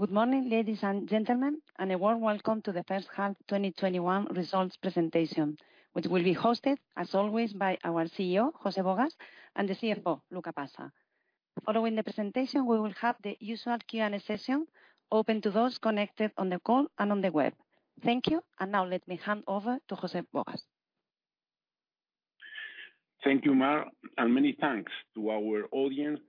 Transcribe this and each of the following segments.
Good morning, ladies and gentlemen, and a warm welcome to the First Half 2021 Results Presentation, which will be hosted, as always, by our CEO, José Bogas, and the CFO, Luca Passa. Following the presentation, we will have the usual Q&A session open to those connected on the call and on the web. Thank you. Now let me hand over to José Bogas. Thank you, Mar. Many thanks to our audience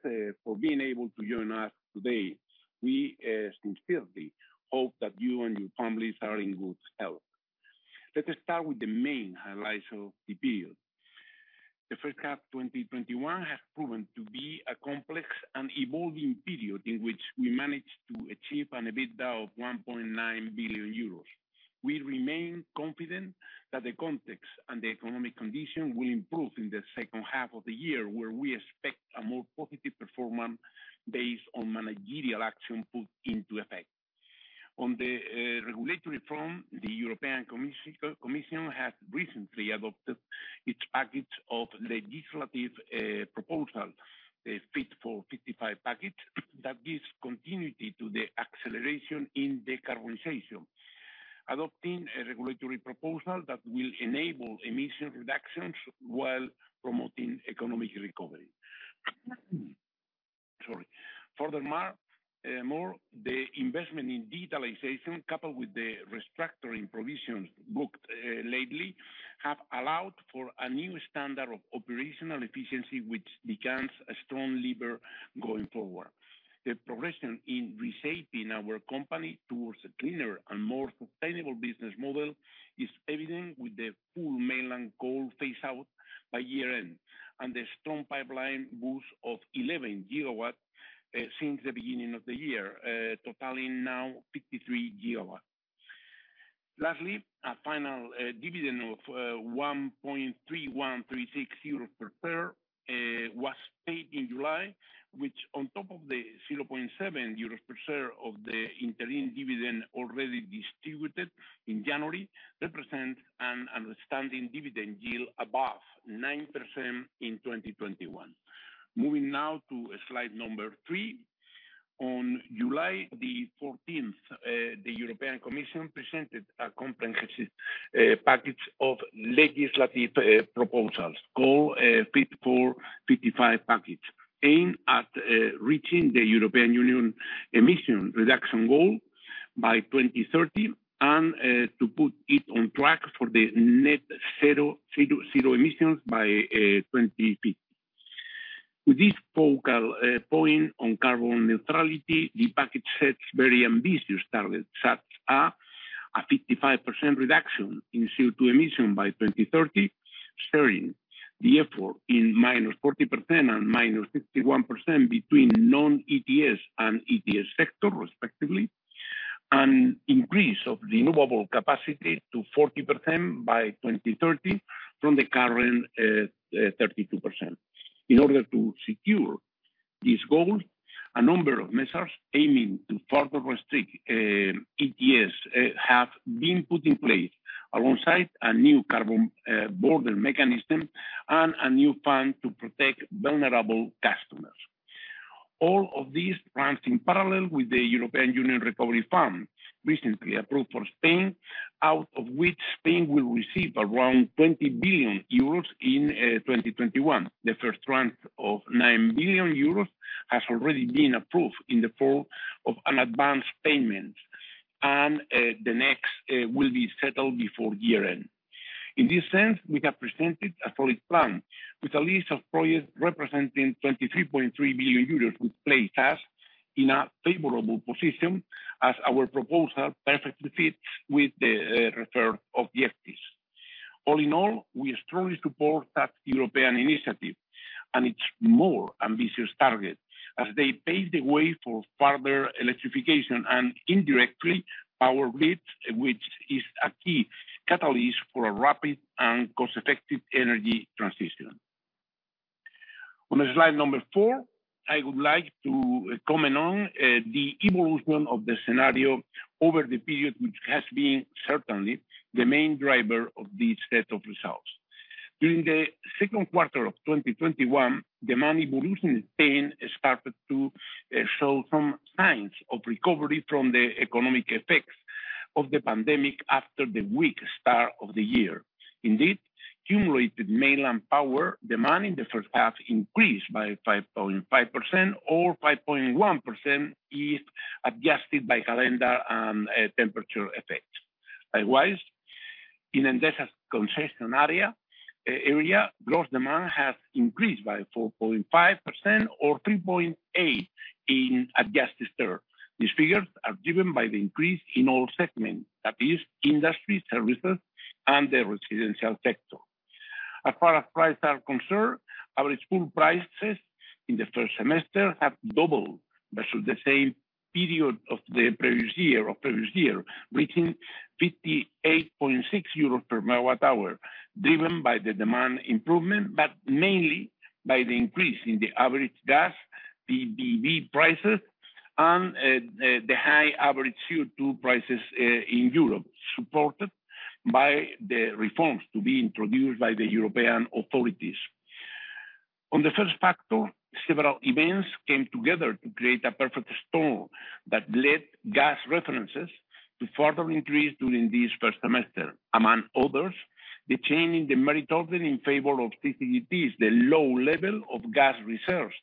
for being able to join us today. We sincerely hope that you and your families are in good health. Let us start with the main highlights of the period. The first half 2021 has proven to be a complex and evolving period in which we managed to achieve an EBITDA of 1.9 billion euros. We remain confident that the context and the economic condition will improve in the second half of the year, where we expect a more positive performance based on managerial action put into effect. On the regulatory front, the European Commission has recently adopted its package of legislative proposals, the Fit for 55 package, that gives continuity to the acceleration in decarbonization, adopting a regulatory proposal that will enable emission reductions while promoting economic recovery. Sorry. Furthermore, the investment in digitalization, coupled with the restructuring provisions booked lately, have allowed for a new standard of operational efficiency, which becomes a strong lever going forward. The progression in reshaping our company towards a cleaner and more sustainable business model is evident with the full mainland coal phase-out by year-end, and the strong pipeline boost of 11 GW since the beginning of the year, totaling now 53 GW. Lastly, a final dividend of 1.3136 euros per share was paid in July, which, on top of the 0.7 euros per share of the interim dividend already distributed in January, represents an outstanding dividend yield above 9% in 2021. Moving now to slide number three. On July the 14th, the European Commission presented a comprehensive package of legislative proposals, called Fit for 55 package, aimed at reaching the European Union emission reduction goal by 2030, and to put it on track for the net zero emissions by 2050. With this focal point on carbon neutrality, the package sets very ambitious targets, such as a 55% reduction in CO2 emission by 2030, sharing the effort in -40% and -51% between non-ETS and ETS sector, respectively, an increase of renewable capacity to 40% by 2030 from the current 32%. In order to secure these goals, a number of measures aiming to further restrict ETS have been put in place, alongside a new carbon border mechanism and a new plan to protect vulnerable customers. All of these plans, in parallel with the European Union recovery fund, recently approved for Spain, out of which Spain will receive around 20 billion euros in 2021. The first tranche of 9 billion euros has already been approved in the form of an advance payment, and the next will be settled before year-end. In this sense, we have presented a solid plan with a list of projects representing 23.3 billion euros, which place us in a favorable position as our proposal perfectly fits with the objectives. All in all, we strongly support that European initiative and its more ambitious targets, as they pave the way for further electrification and, indirectly, power grid, which is a key catalyst for a rapid and cost-effective energy transition. On slide number four, I would like to comment on the evolution of the scenario over the period, which has been certainly the main driver of this set of results. During the second quarter of 2021, demand evolution in Spain started to show some signs of recovery from the economic effects of the pandemic after the weak start of the year. Indeed, cumulative mainland power demand in the first half increased by 5.5%, or 5.1% if adjusted by calendar and temperature effects. Likewise, in Endesa concession area, gross demand has increased by 4.5%, or 3.8% in adjusted terms. These figures are driven by the increase in all segments, that is industry, services, and the residential sector. As far as prices are concerned, average pool prices in the first semester have doubled versus the same period of the previous year, reaching 58.6 euros per megawatt hour, driven by the demand improvement, but mainly by the increase in the average gas, NBP prices, and the high average CO2 prices in Europe, supported by the reforms to be introduced by the European authorities. On the first factor, several events came together to create a perfect storm that led gas references to further increase during this first semester. Among others, the change in the merit order in favor of CCGTs, the low level of gas reserves,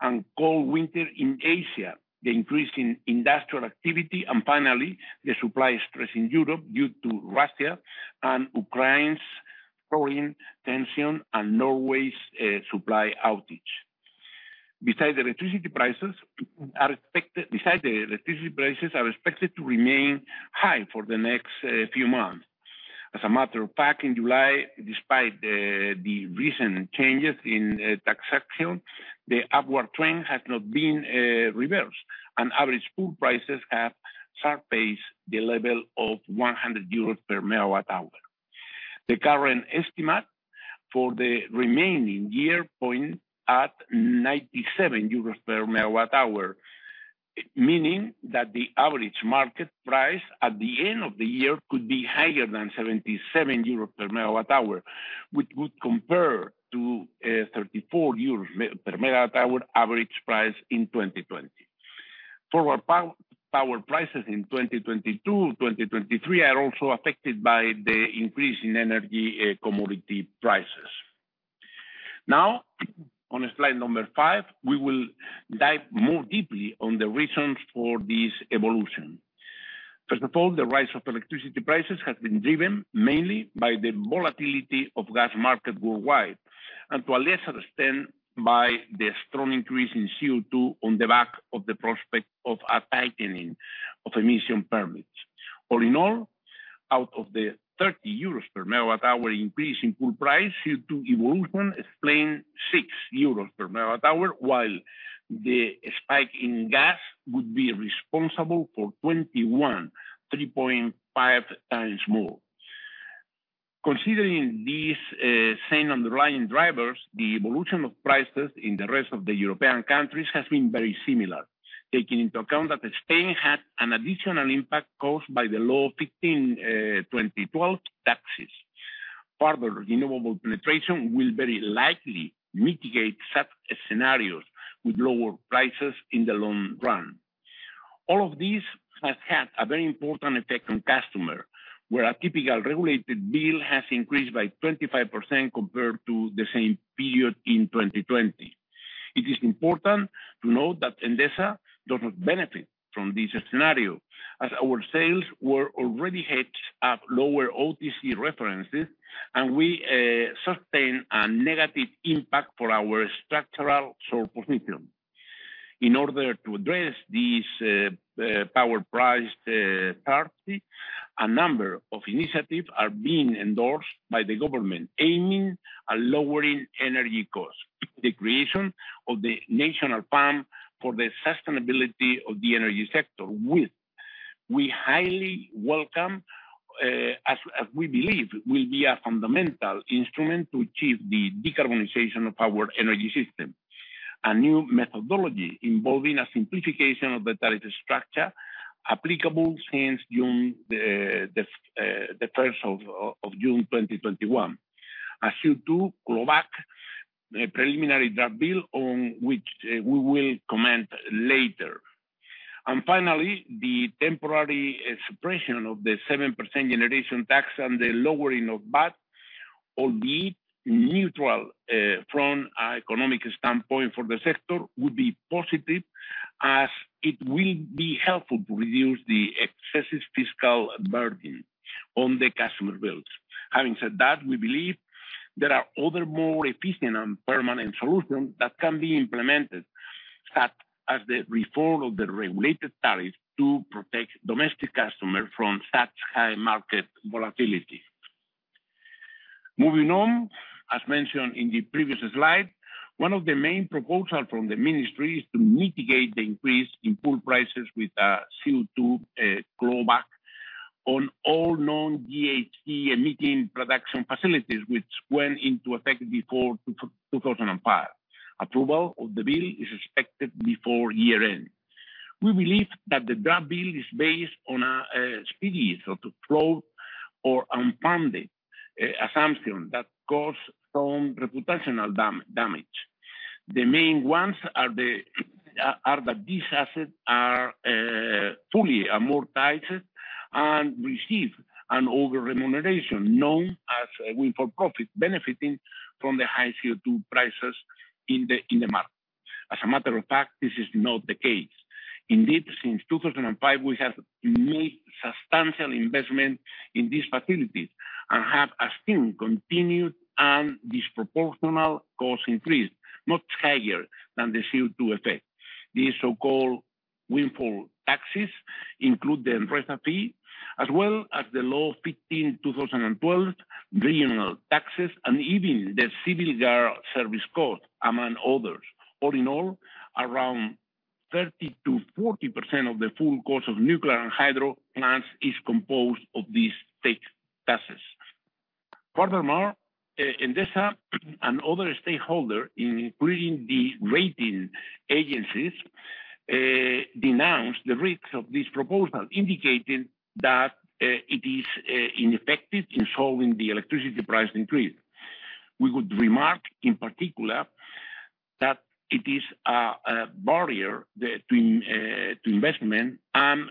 and cold winter in Asia, the increase in industrial activity, and finally, the supply stress in Europe due to Russia and Ukraine's growing tension and Norway's supply outage. The electricity prices are expected to remain high for the next few months. As a matter of fact, in July, despite the recent changes in taxation, the upward trend has not been reversed, and average pool prices have surpassed the level of 100 euros per megawatt-hour. The current estimate for the remaining year points at EUR 97 per megawatt-hour, meaning that the average market price at the end of the year could be higher than 77 euros per megawatt-hour, which would compare to a 34 euros per megawatt-hour average price in 2020. Forward power prices in 2022, 2023 are also affected by the increase in energy commodity prices. Now, on slide number five, we will dive more deeply on the reasons for this evolution. First of all, the rise of electricity prices has been driven mainly by the volatility of gas market worldwide, and to a lesser extent, by the strong increase in CO2 on the back of the prospect of a tightening of emission permits. All in all, out of the 30 euros per megawatt-hour increase in pool price, CO2 evolution explains 6 euros per megawatt-hour, while the spike in gas would be responsible for 21, 3.5x more. Considering these same underlying drivers, the evolution of prices in the rest of the European countries has been very similar, taking into account that Spain had an additional impact caused by the Law 15/2012 taxes. Renewable penetration will very likely mitigate such scenarios with lower prices in the long run. All of this has had a very important effect on customers, where a typical regulated bill has increased by 25% compared to the same period in 2020. It is important to note that Endesa does not benefit from this scenario, as our sales were already hedged at lower OTC references, and we sustain a negative impact for our structural source position. In order to address this power price, a number of initiatives are being endorsed by the government aiming at lowering energy costs. The creation of the National Plan for the Sustainability of the Energy Sector, which we highly welcome, as we believe will be a fundamental instrument to achieve the decarbonization of our energy system. A new methodology involving a simplification of the tariff structure applicable since the first of June 2021. A CO2 clawback, a preliminary draft bill on which we will comment later. Finally, the temporary suppression of the 7% generation tax and the lowering of VAT, albeit neutral from an economic standpoint for the sector, would be positive as it will be helpful to reduce the excessive fiscal burden on the customer bills. Having said that, we believe there are other more efficient and permanent solutions that can be implemented, such as the reform of the regulated tariffs to protect domestic customers from such high market volatility. Moving on, as mentioned in the previous slide, one of the main proposals from the ministry is to mitigate the increase in pool prices with a CO2 clawback on all non-GHG emission production facilities, which went into effect before 2005. Approval of the bill is expected before year-end. We believe that the draft bill is based on a series of flawed or unfounded assumptions that cause some reputational damage. The main ones are that these assets are fully amortized and receive an over-remuneration known as a windfall profit, benefiting from the high CO2 prices in the market. As a matter of fact, this is not the case. Indeed, since 2005, we have made substantial investments in these facilities and have seen continued and disproportionate cost increase, much higher than the CO2 effect. These so-called windfall taxes include the fee, as well as the Law 15/2012 regional taxes, and even the Civil Guard Service Code, among others. All in all, around 30%-40% of the full cost of nuclear and hydro plants is composed of these fixed taxes. Furthermore, Endesa and other stakeholders, including the rating agencies denounced the risks of this proposal, indicating that it is ineffective in solving the electricity price increase. We would remark, in particular, that it is a barrier to investment and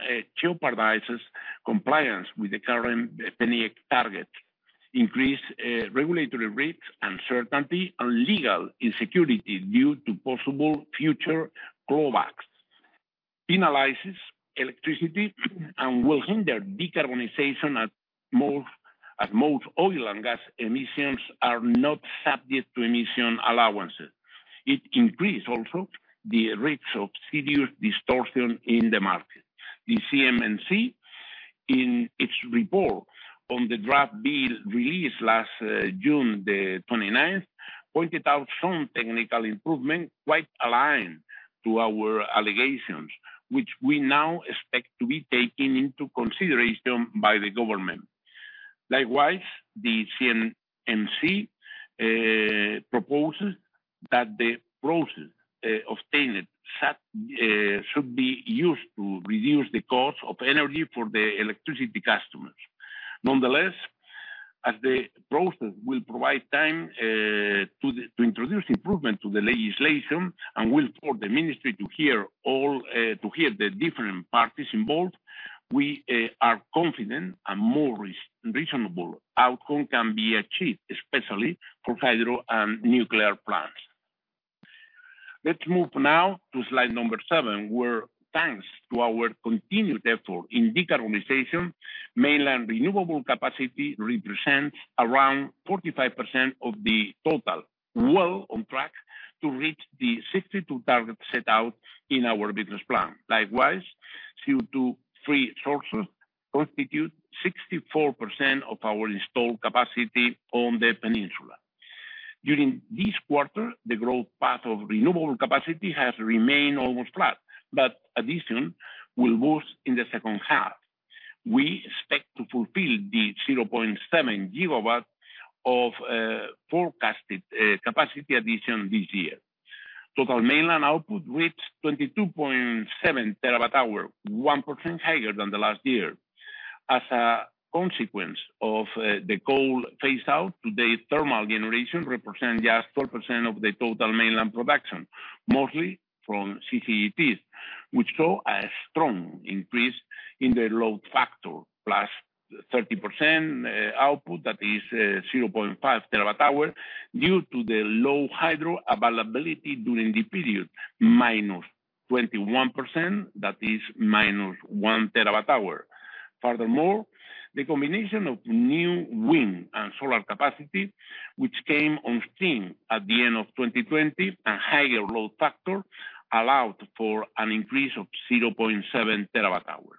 jeopardizes compliance with the current PNIEC target, increase regulatory risk, uncertainty, and legal insecurity due to possible future clawbacks, penalizes electricity and will hinder decarbonization as most oil and gas emissions are not subject to emission allowances. It increase also the risk of serious distortion in the market. The CNMC, in its report on the draft bill released last June, the 29th, pointed out some technical improvement quite aligned to our allegations, which we now expect to be taken into consideration by the government. Likewise, the CNMC proposes that the process obtained should be used to reduce the cost of energy for the electricity customers. Nonetheless, as the process will provide time to introduce improvement to the legislation and will force the ministry to hear the different parties involved, we are confident a more reasonable outcome can be achieved, especially for hydro and nuclear plants. Let's move now to slide number seven, where thanks to our continued effort in decarbonization, mainland renewable capacity represents around 45% of the total, well on track to reach the 62% target set out in our business plan. Likewise, CO2 free sources constitute 64% of our installed capacity on the peninsula. During this quarter, the growth path of renewable capacity has remained almost flat, but addition will boost in the second half. We expect to fulfill the 0.7 GW of forecasted capacity addition this year. Total mainland output reached 22.7 TWh, 1% higher than the last year. As a consequence of the coal phase out, today thermal generation represents just 4% of the total mainland production, mostly from CCGTs, which saw a strong increase in the load factor, +30% output, that is 0.5 TWh, due to the low hydro availability during the period, -21%, that is -1 TWh. Furthermore, the combination of new wind and solar capacity, which came on stream at the end of 2020, and higher load factor, allowed for an increase of 0.7 TWh.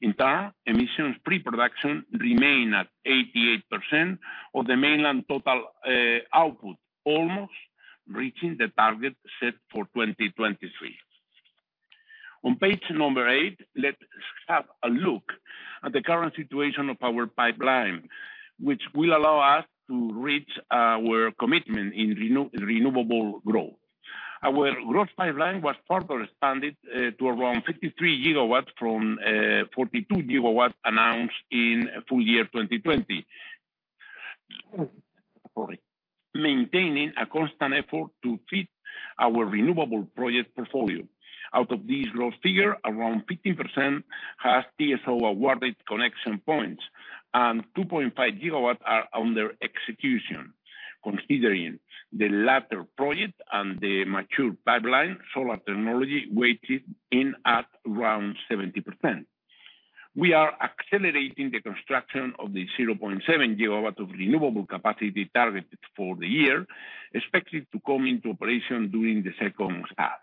In turn, emissions-free production remains at 88% of the mainland total output, almost reaching the target set for 2023. On page number eight, let's have a look at the current situation of our pipeline, which will allow us to reach our commitment in renewable growth. Our growth pipeline was further expanded to around 53 GW from 42 GW announced in full year 2020, maintaining a constant effort to feed our renewable project portfolio. Out of this growth figure, around 15% has TSO-awarded connection points, and 2.5 GW are under execution. Considering the latter project and the mature pipeline, solar technology weighted in at around 70%. We are accelerating the construction of the 0.7 GW of renewable capacity targeted for the year, expected to come into operation during the second half.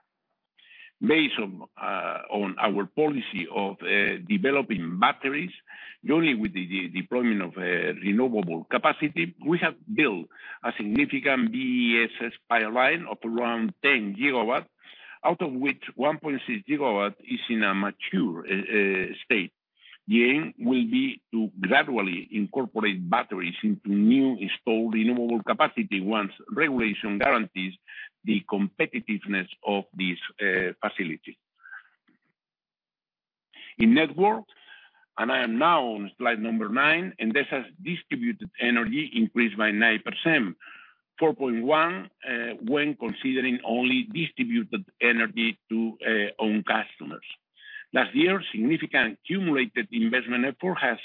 Based on our policy of developing batteries, jointly with the deployment of renewable capacity, we have built a significant BESS pipeline of around 10 GW, out of which 1.6 GW is in a mature state. The aim will be to gradually incorporate batteries into new installed renewable capacity once regulation guarantees the competitiveness of these facilities. In network, and I am now on slide number nine, Endesa distributed energy increased by 9%, 4.1% when considering only distributed energy to own customers. Last year, significant accumulated investment effort has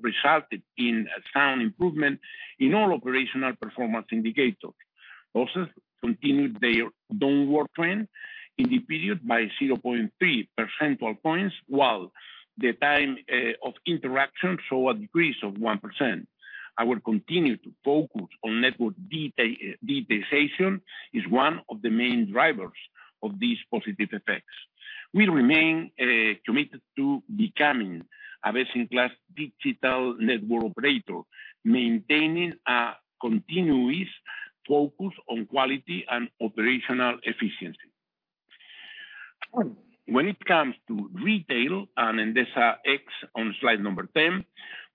resulted in a sound improvement in all operational performance indicators. Losses continued their downward trend in the period by 0.3 percentile points, while the time of interaction saw a decrease of 1%. Our continued focus on network digitization is one of the main drivers of these positive effects. We remain committed to becoming a best-in-class digital network operator, maintaining a continuous focus on quality and operational efficiency. When it comes to retail and Endesa X, on slide number 10,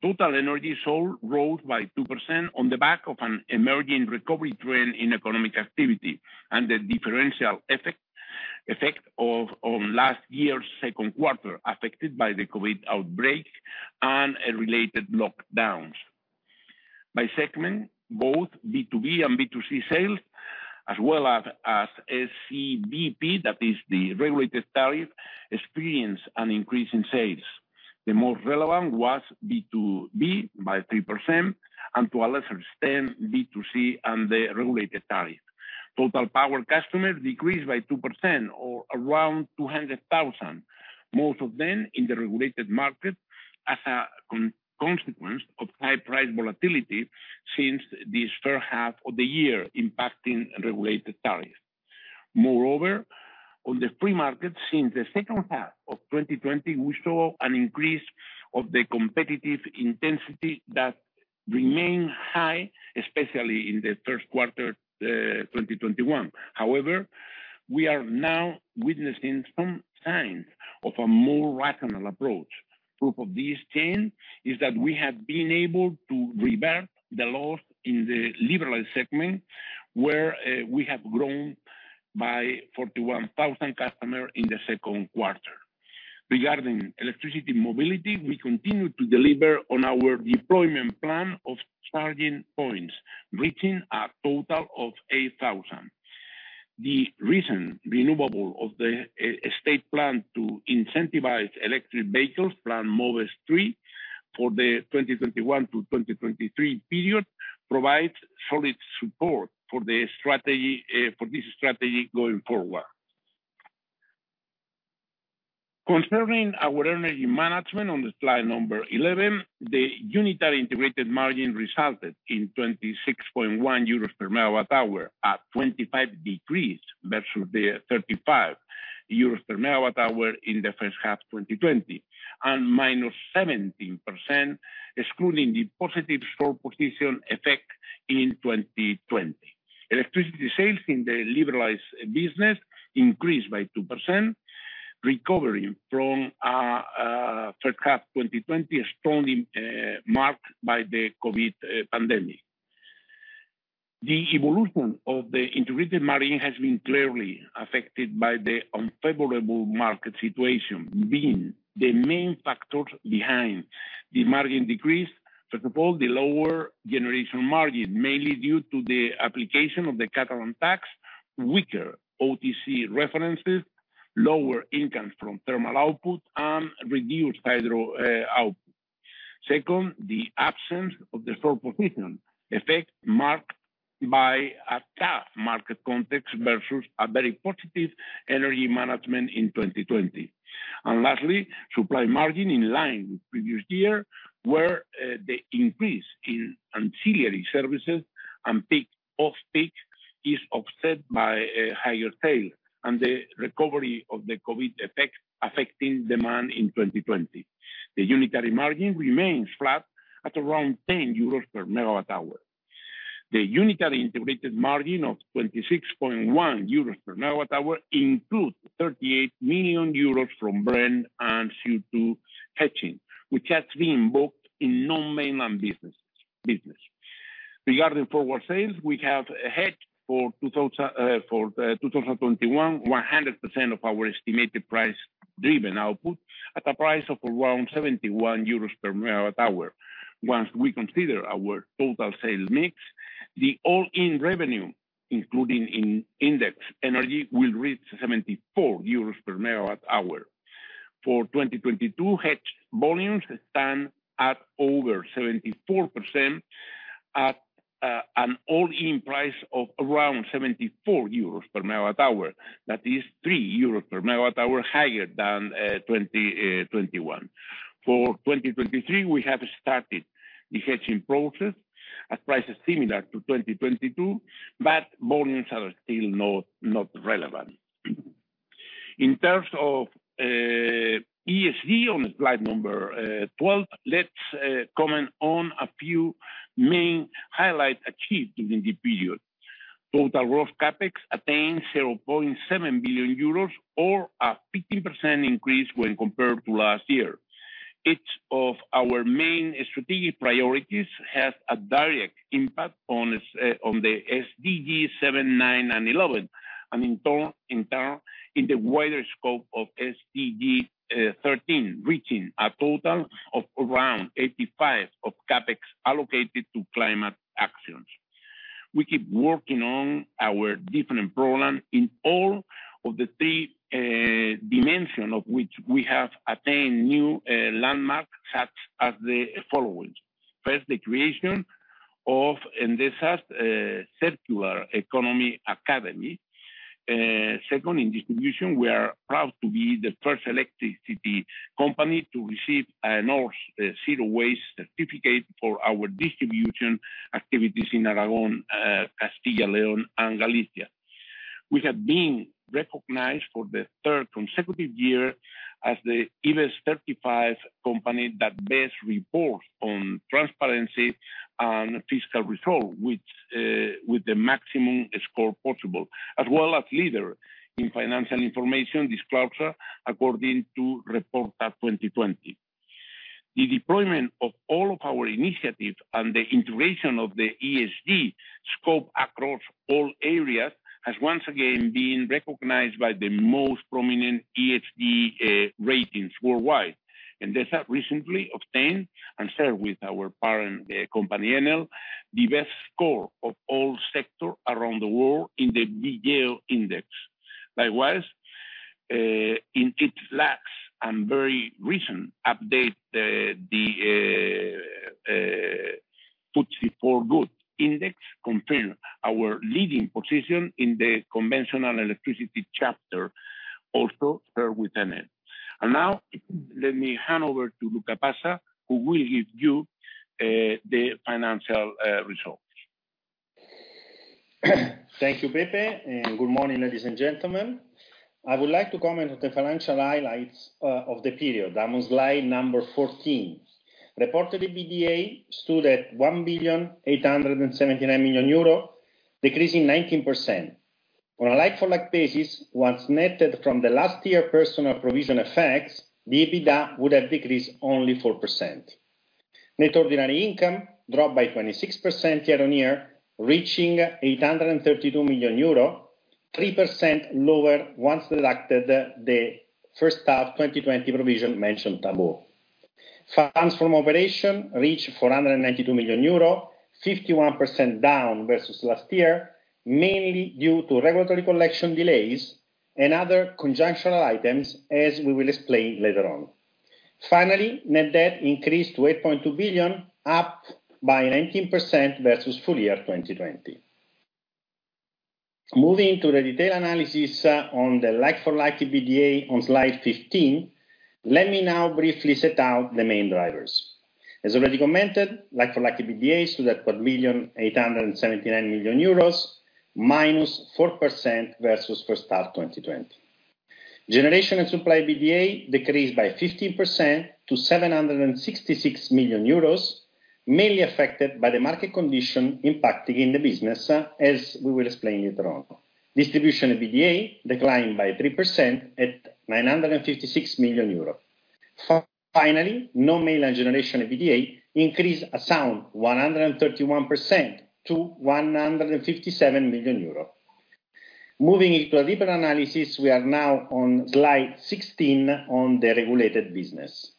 total energy sold rose by 2% on the back of an emerging recovery trend in economic activity, and the differential effect of last year's second quarter affected by the COVID outbreak and related lockdowns. By segment, both B2B and B2C sales, as well as PVPC, that is the regulated tariff, experienced an increase in sales. The most relevant was B2B by 3%, and to a lesser extent, B2C and the regulated tariff. Total power customers decreased by 2% or around 200,000, most of them in the regulated market, as a consequence of high price volatility since this first half of the year, impacting regulated tariffs. Moreover, on the free market, since the second half of 2020, we saw an increase of the competitive intensity that remained high, especially in the first quarter, 2021. However, we are now witnessing some signs of a more rational approach. Proof of these trends is that we have been able to revert the loss in the liberalized segment, where we have grown by 41,000 customers in the second quarter. Regarding electricity mobility, we continue to deliver on our deployment plan of charging points, reaching a total of 8,000. The recent renewal of the state plan to incentivize electric vehicles, Plan MOVES III, for the 2021-2023 period, provides solid support for this strategy going forward. Concerning our energy management on slide 11, the unitary integrated margin resulted in 26.1 euros per megawatt-hour at 25% decrease versus the 35 euros per megawatt-hour in the first half 2020, and -17%, excluding the positive stock position effect in 2020. Electricity sales in the liberalized business increased by 2%, recovering from a [inaudible] 2020 strongly marked by the COVID pandemic. The evolution of the integrated margin has been clearly affected by the unfavorable market situation, being the main factor behind the margin decrease. First of all, the lower generation margin, mainly due to the application of the Catalan tax, weaker OTC references, lower income from thermal output, and reduced hydro output. Second, the absence of the stock position effect marked by a tough market context versus a very positive energy management in 2020. Lastly, supply margin in line with previous year, where the increase in ancillary services and peak off-peak is offset by higher tail and the recovery of the COVID effect affecting demand in 2020. The unitary margin remains flat at around 10 euros per megawatt-hour. The unitary integrated margin of 26.1 euros per megawatt-hour includes 38 million euros from Brent and CO2 hedging, which has been booked in non-mainline business. Regarding forward sales, we have hedged for 2021, 100% of our estimated price-driven output at a price of around 71 euros per megawatt-hour. Once we consider our total sales mix, the all-in revenue, including index energy, will reach 74 euros per megawatt-hour. For 2022, hedged volumes stand at over 74% at an all-in price of around 74 euros per megawatt-hour. That is 3 euros per megawatt-hour higher than 2021. For 2023, we have started the hedging process at prices similar to 2022, but volumes are still not relevant. In terms of ESG on slide number 12, let's comment on a few main highlights achieved during the period. Total raw CapEx attained 0.7 billion euros or a 15% increase when compared to last year. Each of our main strategic priorities had a direct impact on the SDG 7, SDG 9, and SDG 11, and in turn, in the wider scope of SDG 13, reaching a total of around 85% of CapEx allocated to climate actions. We keep working on our different programs in all of the three dimensions, of which we have attained new landmarks such as the following. First, the creation of Endesa's Circular Economy Academy. Second, in distribution, we are proud to be the first electricity company to receive a Zero Waste certificate for our distribution activities in Aragón, Castilla y León, and Galicia. We have been recognized for the third consecutive year as the IBEX 35 company that best reports on transparency and fiscal results, with the maximum score possible, as well as leader in financial information disclosure according to Reporta 2020. The deployment of all of our initiatives and the integration of the ESG scope across all areas has once again been recognized by the most prominent ESG ratings worldwide, and has recently obtained and shared with our parent company, Enel, the best score of all sectors around the world in the Vigeo index. Likewise, in its last and very recent update, the FTSE4Good index confirmed our leading position in the conventional electricity chapter, also shared with Enel. Now, let me hand over to Luca Passa, who will give you the financial results. Thank you, Pepe, and good morning, ladies and gentlemen. I would like to comment on the financial highlights of the period. I'm on slide 14. Reported EBITDA stood at 1,879,000,000 euro decreasing 19%. On a like-for-like basis, once netted from the last year personnel provision effects, the EBITDA would have decreased only 4%. Net ordinary income dropped by 26% year-on-year, reaching 832 million euro, 3% lower once deducted the first half 2020 provision mentioned above. FFO reached 492 million euro, 51% down versus last year, mainly due to regulatory collection delays and other conjunctional items, as we will explain later on. Finally, net debt increased to 8.2 billion, up by 19% versus full year 2020. Moving to the detailed analysis on the like-for-like EBITDA on slide 15, let me now briefly set out the main drivers. As already commented, like-for-like EBITDA stood at EUR 1,879,000,000, -4% versus first half 2020. Generation and supply EBITDA decreased by 15% to 766 million euros, mainly affected by the market condition impacting the business, as we will explain later on. Distribution EBITDA declined by 3% at 956 million euros. Finally, non-mainland generation EBITDA increased a sound 131% to 157 million euros. Moving into a deeper analysis, we are now on slide 16 on the regulated business.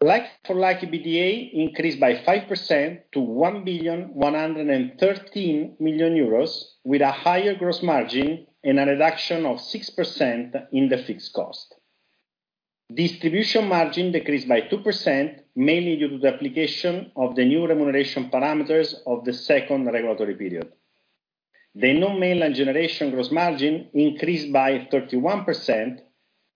Like-for-like EBITDA increased by 5% to 1,113,000,000 euros, with a higher gross margin and a reduction of 6% in the fixed cost. Distribution margin decreased by 2%, mainly due to the application of the new remuneration parameters of the second regulatory period. The non-mainland generation gross margin increased by 31%,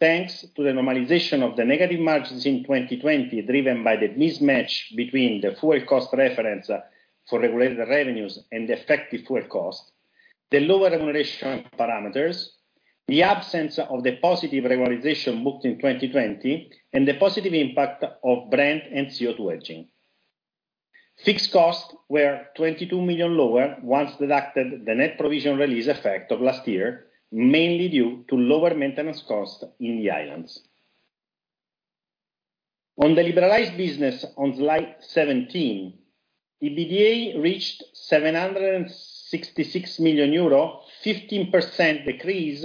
thanks to the normalization of the negative margins in 2020, driven by the mismatch between the fuel cost reference for regulated revenues and effective fuel cost, the lower remuneration parameters, the absence of the positive revalorization booked in 2020, and the positive impact of Brent and CO2 hedging. Fixed costs were 22 million lower once deducted the net provision release effect of last year, mainly due to lower maintenance costs in the islands. On the liberalized business on slide 17, EBITDA reached EUR 766 million, 15% decrease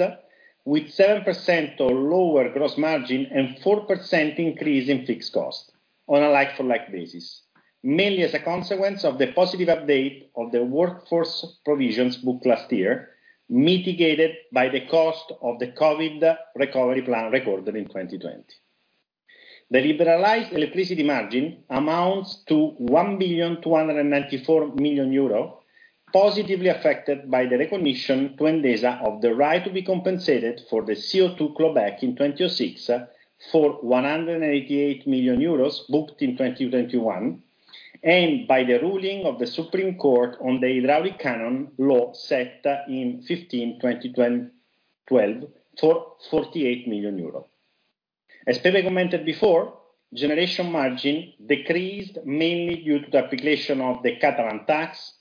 with 7% or lower gross margin and 4% increase in fixed cost on a like-for-like basis, mainly as a consequence of the positive update of the workforce provisions booked last year, mitigated by the cost of the COVID recovery plan recorded in 2020. The liberalized electricity margin amounts to 1,294,000,000 euro, positively affected by the recognition to Endesa of the right to be compensated for the CO2 clawback in 2006 for 188 million euros booked in 2021, and by the ruling of the Supreme Court on the hydraulic cannon Law 15/2012, for 48 million euros. As Pepe commented before, generation margin decreased mainly due to the application of the Catalan tax,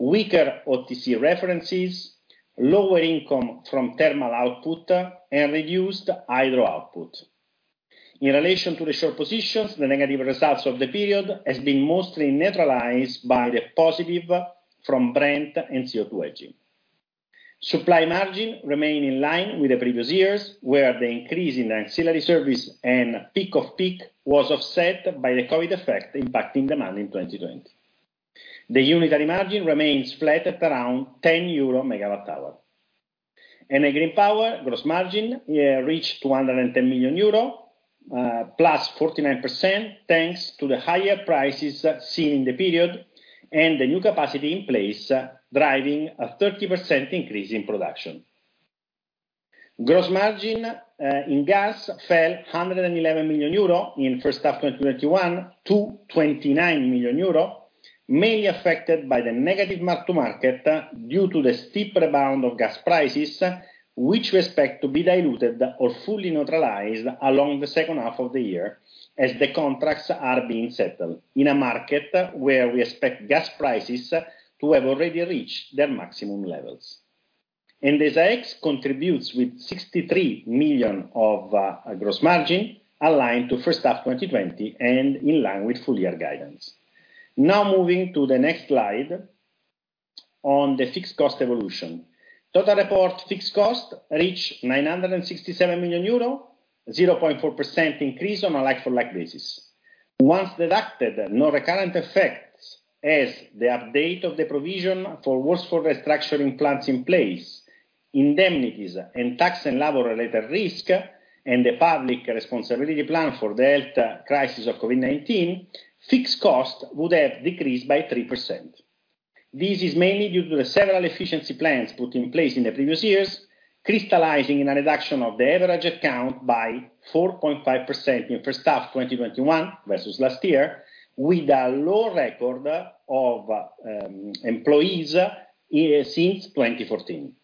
weaker OTC references, lower income from thermal output, and reduced hydro output. In relation to the short positions, the negative results of the period has been mostly neutralized by the positive from Brent and CO2 hedging. Supply margin remain in line with the previous years, where the increase in ancillary service and peak of peak was offset by the COVID effect impacting demand in 2020. The unitary margin remains flat at around 10 euro megawatt-hour. Enel Green Power gross margin reached 210 million euro, +49%, thanks to the higher prices seen in the period and the new capacity in place, driving a 30% increase in production. Gross margin in gas fell 111 million euro in first half of 2021 to 29 million euro, mainly affected by the negative mark-to-market due to the steep rebound of gas prices, which we expect to be diluted or fully neutralized along the second half of the year as the contracts are being settled in a market where we expect gas prices to have already reached their maximum levels. Endesa X contributes with 63 million of gross margin, aligned to first half 2020 and in line with full-year guidance. Moving to the next slide on the fixed cost evolution. Total report fixed cost reach 967 million euro, 0.4% increase on a like-for-like basis. Once deducted, no recurrent effects as the update of the provision for workforce restructuring plans in place, indemnities and tax and labor-related risk, and the public responsibility plan for the health crisis of COVID-19, fixed cost would have decreased by 3%. This is mainly due to the several efficiency plans put in place in the previous years, crystallizing in a reduction of the average account by 4.5% in first half 2021 versus last year, with a low record of employees since 2014.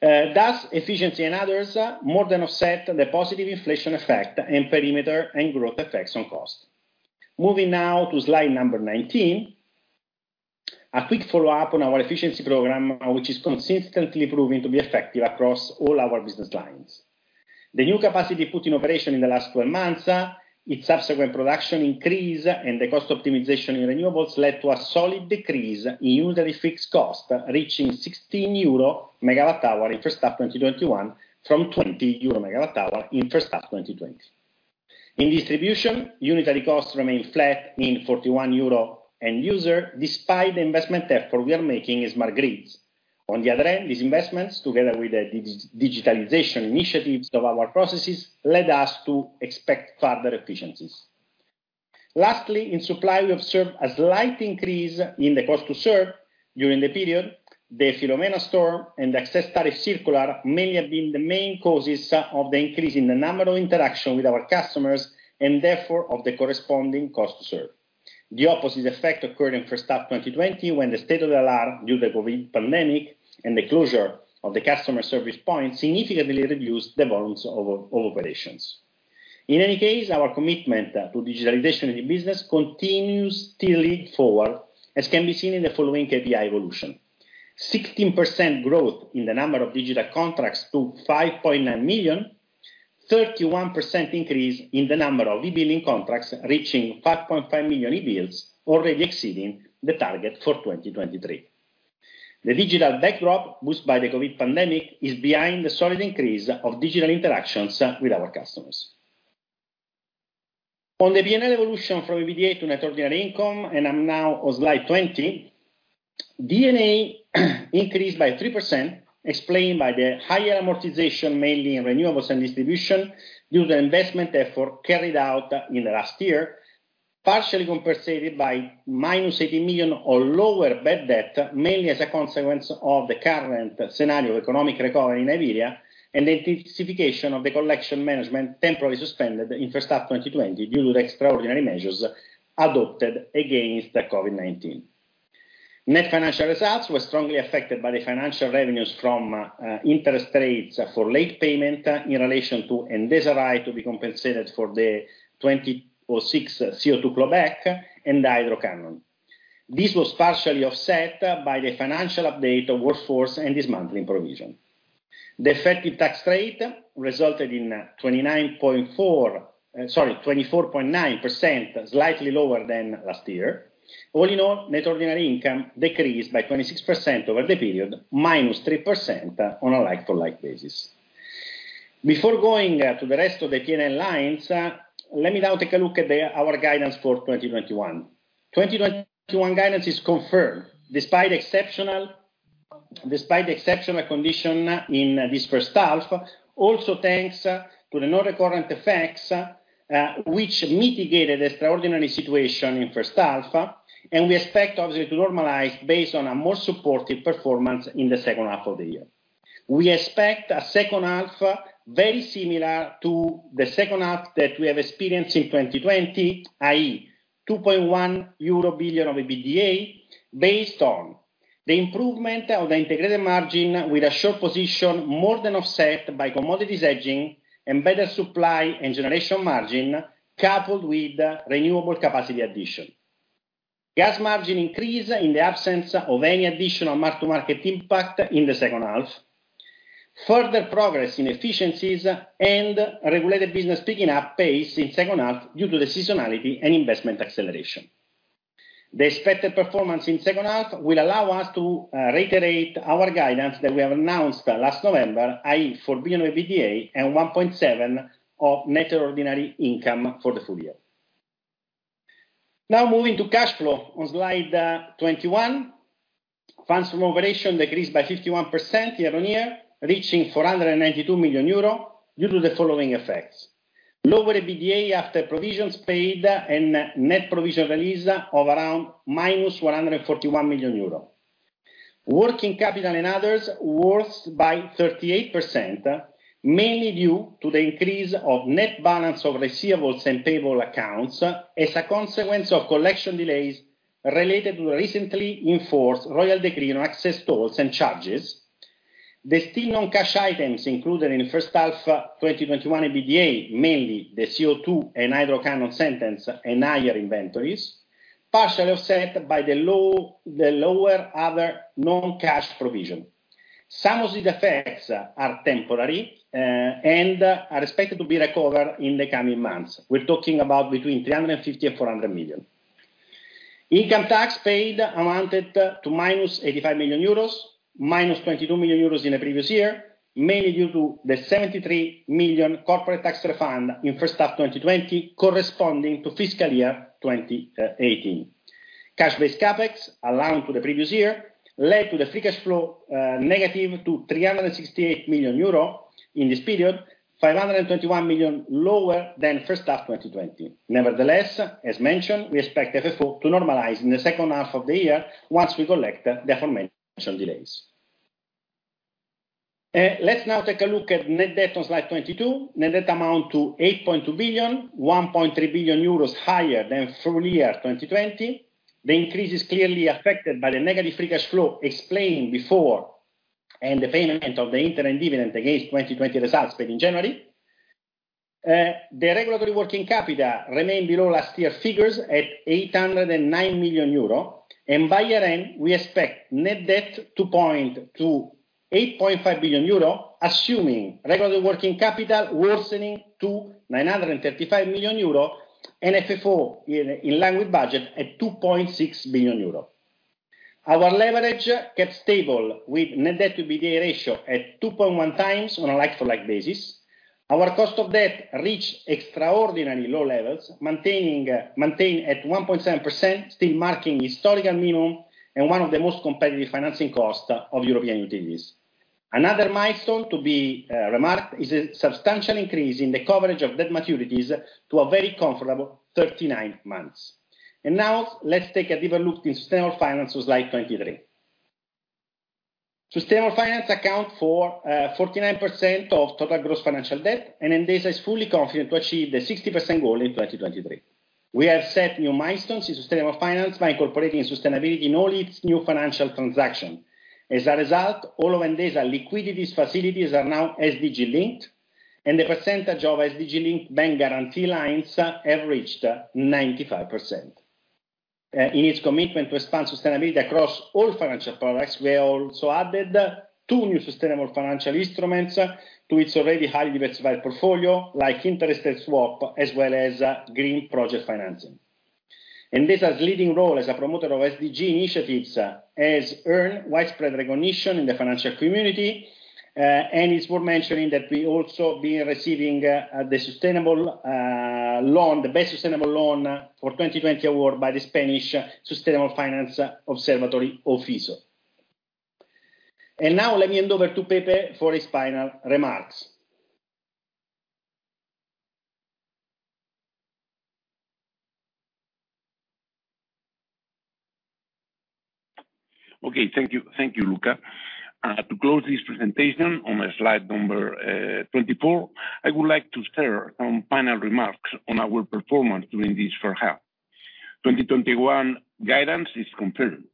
Efficiency and others more than offset the positive inflation effect and perimeter and growth effects on cost. Moving now to slide number 19, a quick follow-up on our efficiency program, which is consistently proving to be effective across all our business lines. The new capacity put in operation in the last 12 months, its subsequent production increase and the cost optimization in renewables led to a solid decrease in unitary fixed cost, reaching 16 euro megawatt-hour in first half 2021 from 20 euro megawatt-hour in first half 2020. In distribution, unitary costs remain flat in 41 euro end user, despite the investment effort we are making in smart grids. On the other end, these investments, together with the digitalization initiatives of our processes, led us to expect further efficiencies. Lastly, in supply, we observed a slight increase in the cost to serve during the period. The Filomena storm and the access tariff circular mainly have been the main causes of the increase in the number of interaction with our customers, and therefore of the corresponding cost to serve. The opposite effect occurred in first half 2020 when the state of alarm due the COVID pandemic and the closure of the customer service point significantly reduced the volumes of operations. In any case, our commitment to digitalization in the business continues to lead forward, as can be seen in the following KPI evolution. 16% growth in the number of digital contracts to 5.9 million, 31% increase in the number of e-billing contracts reaching 5.5 million e-bills, already exceeding the target for 2023. The digital backdrop boosted by the COVID pandemic is behind the solid increase of digital interactions with our customers. On the P&L evolution from EBITDA to net ordinary income, and I'm now on slide 20, D&A increased by 3%, explained by the higher amortization, mainly in renewables and distribution, due to the investment effort carried out in the last year, partially compensated by -80 million or lower bad debt, mainly as a consequence of the current scenario economic recovery in Iberia, and the intensification of the collection management temporarily suspended in first half 2020 due to the extraordinary measures adopted against the COVID-19. Net financial results were strongly affected by the financial revenues from interest rates for late payment in relation to Endesa right to be compensated for the 2006 CO2 clawback and the hydro cannon. This was partially offset by the financial update of workforce and dismantling provision. The effective tax rate resulted in 24.9%, slightly lower than last year. All in all, net ordinary income decreased by 26% over the period, -3% on a like-for-like basis. Before going to the rest of the P&L lines, let me now take a look at our guidance for 2021. 2021 guidance is confirmed despite the exceptional condition in this first half, also thanks to the non-recurrent effects, which mitigated extraordinary situation in first half. We expect, obviously, to normalize based on a more supportive performance in the second half of the year. We expect a second half very similar to the second half that we have experienced in 2020, i.e., 2.1 billion euro of EBITDA, based on: the improvement of the integrated margin with a short position more than offset by commodities hedging and better supply and generation margin, coupled with renewable capacity addition. Gas margin increase in the absence of any additional mark-to-market impact in the second half. Further progress in efficiencies and regulated business picking up pace in second half due to the seasonality and investment acceleration. The expected performance in second half will allow us to reiterate our guidance that we have announced last November, i.e., EUR 4 billion of EBITDA and 1.7% of net ordinary income for the full year. Now moving to cash flow on slide 21. Funds from operation decreased by 51% year-on-year, reaching 492 million euro due to the following effects. Lower EBITDA after provisions paid and net provision release of around -141 million euro. Working capital and others worse by 38%, mainly due to the increase of net balance of receivables and payable accounts as a consequence of collection delays related to the recently enforced Royal Decree on access tolls and charges. The still non-cash items included in the first half 2021 EBITDA, mainly the CO2 and hydro cannon sentence and higher inventories. Partially offset by the lower other non-cash provision. Some of the effects are temporary and are expected to be recovered in the coming months. We're talking about between 350 million and 400 million. Income tax paid amounted to -85 million euros, -22 million euros in the previous year, mainly due to the 73 million corporate tax refund in first half 2020 corresponding to fiscal year 2018. Cash-based CapEx, aligned to the previous year, led to the free cash flow negative to 368 million euro. In this period, 521 million lower than first half 2020. Nevertheless, as mentioned, we expect FFO to normalize in the second half of the year once we collect the aforementioned delays. Let's now take a look at net debt on slide 22. Net debt amount to 8.2 billion, 1.3 billion euros higher than full year 2020. The increase is clearly affected by the negative free cash flow explained before, and the payment of the interim dividend against 2020 results paid in January. The regulatory working capital remained below last year figures at 809 million euro, and by year-end, we expect net debt to point to 8.5 billion euro, assuming regulatory working capital worsening to 935 million euro and FFO in line with budget at 2.6 billion euro. Our leverage kept stable, with net debt to EBITDA ratio at 2.1x on a like-for-like basis. Our cost of debt reached extraordinarily low levels, maintained at 1.7%, still marking historical minimum and one of the most competitive financing cost of European utilities. Another milestone to be remarked is a substantial increase in the coverage of debt maturities to a very comfortable 39 months. Now, let's take a deeper look in sustainable finance on slide 23. Sustainable finance account for 49% of total gross financial debt. Endesa is fully confident to achieve the 60% goal in 2023. We have set new milestones in sustainable finance by incorporating sustainability in all its new financial transaction. As a result, all of Endesa liquidity facilities are now SDG linked. The percentage of SDG linked bank guarantee lines have reached 95%. In its commitment to expand sustainability across all financial products, we have also added two new sustainable financial instruments to its already highly diversified portfolio, like interest rate swap as well as green project financing. Endesa's leading role as a promoter of SDG initiatives has earned widespread recognition in the financial community. It's worth mentioning that we also been receiving the Best Sustainable Loan for 2020 award by the Spanish Sustainable Finance Observatory, OFISO. Now let me hand over to Pepe for his final remarks. Okay, thank you. Thank you, Luca. To close this presentation on slide 24, I would like to share some final remarks on our performance during this first half. 2021 guidance is confirmed,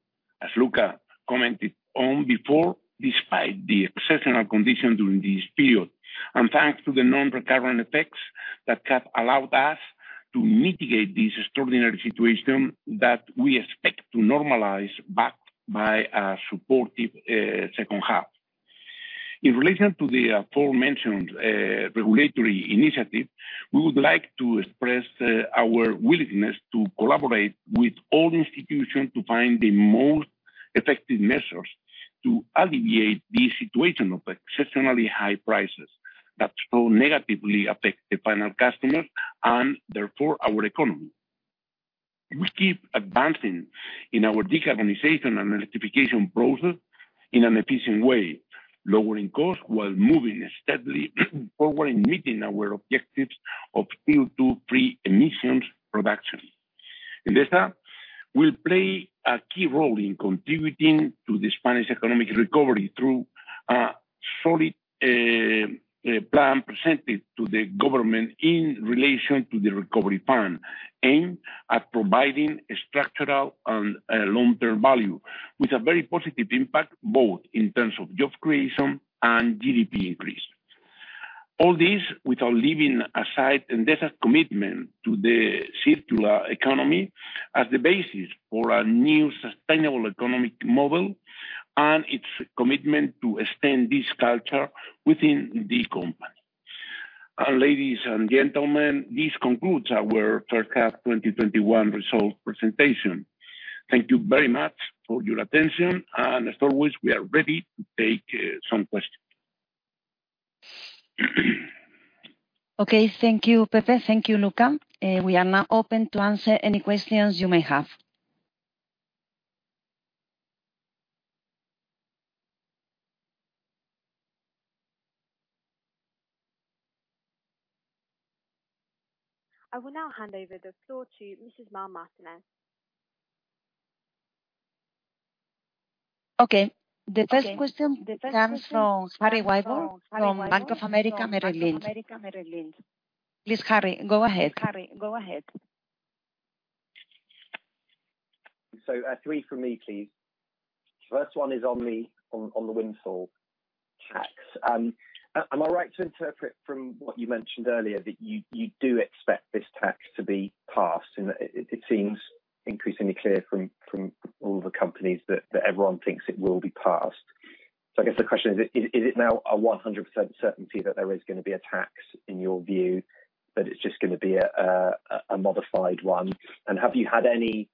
as Luca commented on before, despite the exceptional condition during this period. Thanks to the non-recurring effects that have allowed us to mitigate this extraordinary situation that we expect to normalize back by a supportive second half. In relation to the aforementioned regulatory initiative, we would like to express our willingness to collaborate with all institutions to find the most effective measures to alleviate this situation of exceptionally high prices that so negatively affect the final customer and therefore, our economy. We keep advancing in our decarbonization and electrification process in an efficient way, lowering costs while moving steadily forward in meeting our objectives of CO2 pre-emissions production. Endesa will play a key role in contributing to the Spanish economic recovery through a solid plan presented to the government in relation to the recovery plan, aimed at providing structural and long-term value with a very positive impact, both in terms of job creation and GDP increase. All this without leaving aside Endesa's commitment to the circular economy as the basis for a new sustainable economic model and its commitment to extend this culture within the company. Ladies and gentlemen, this concludes our first half 2021 results presentation. Thank you very much for your attention, and as always, we are ready to take some questions. Okay. Thank you, Pepe. Thank you, Luca. We are now open to answer any questions you may have. I will now hand over the floor to Mrs. Mar Martínez. Okay. The first question comes from Harry Wyburd from Bank of America Merrill Lynch. Please, Harry, go ahead. Three from me, please. First one is on the windfall tax. Am I right to interpret from what you mentioned earlier that you do expect this tax to be passed? It seems increasingly clear from all the companies that everyone thinks it will be passed. I guess the question is it now a 100% certainty that there is going to be a tax in your view, but it's just going to be a modified one? Have you had any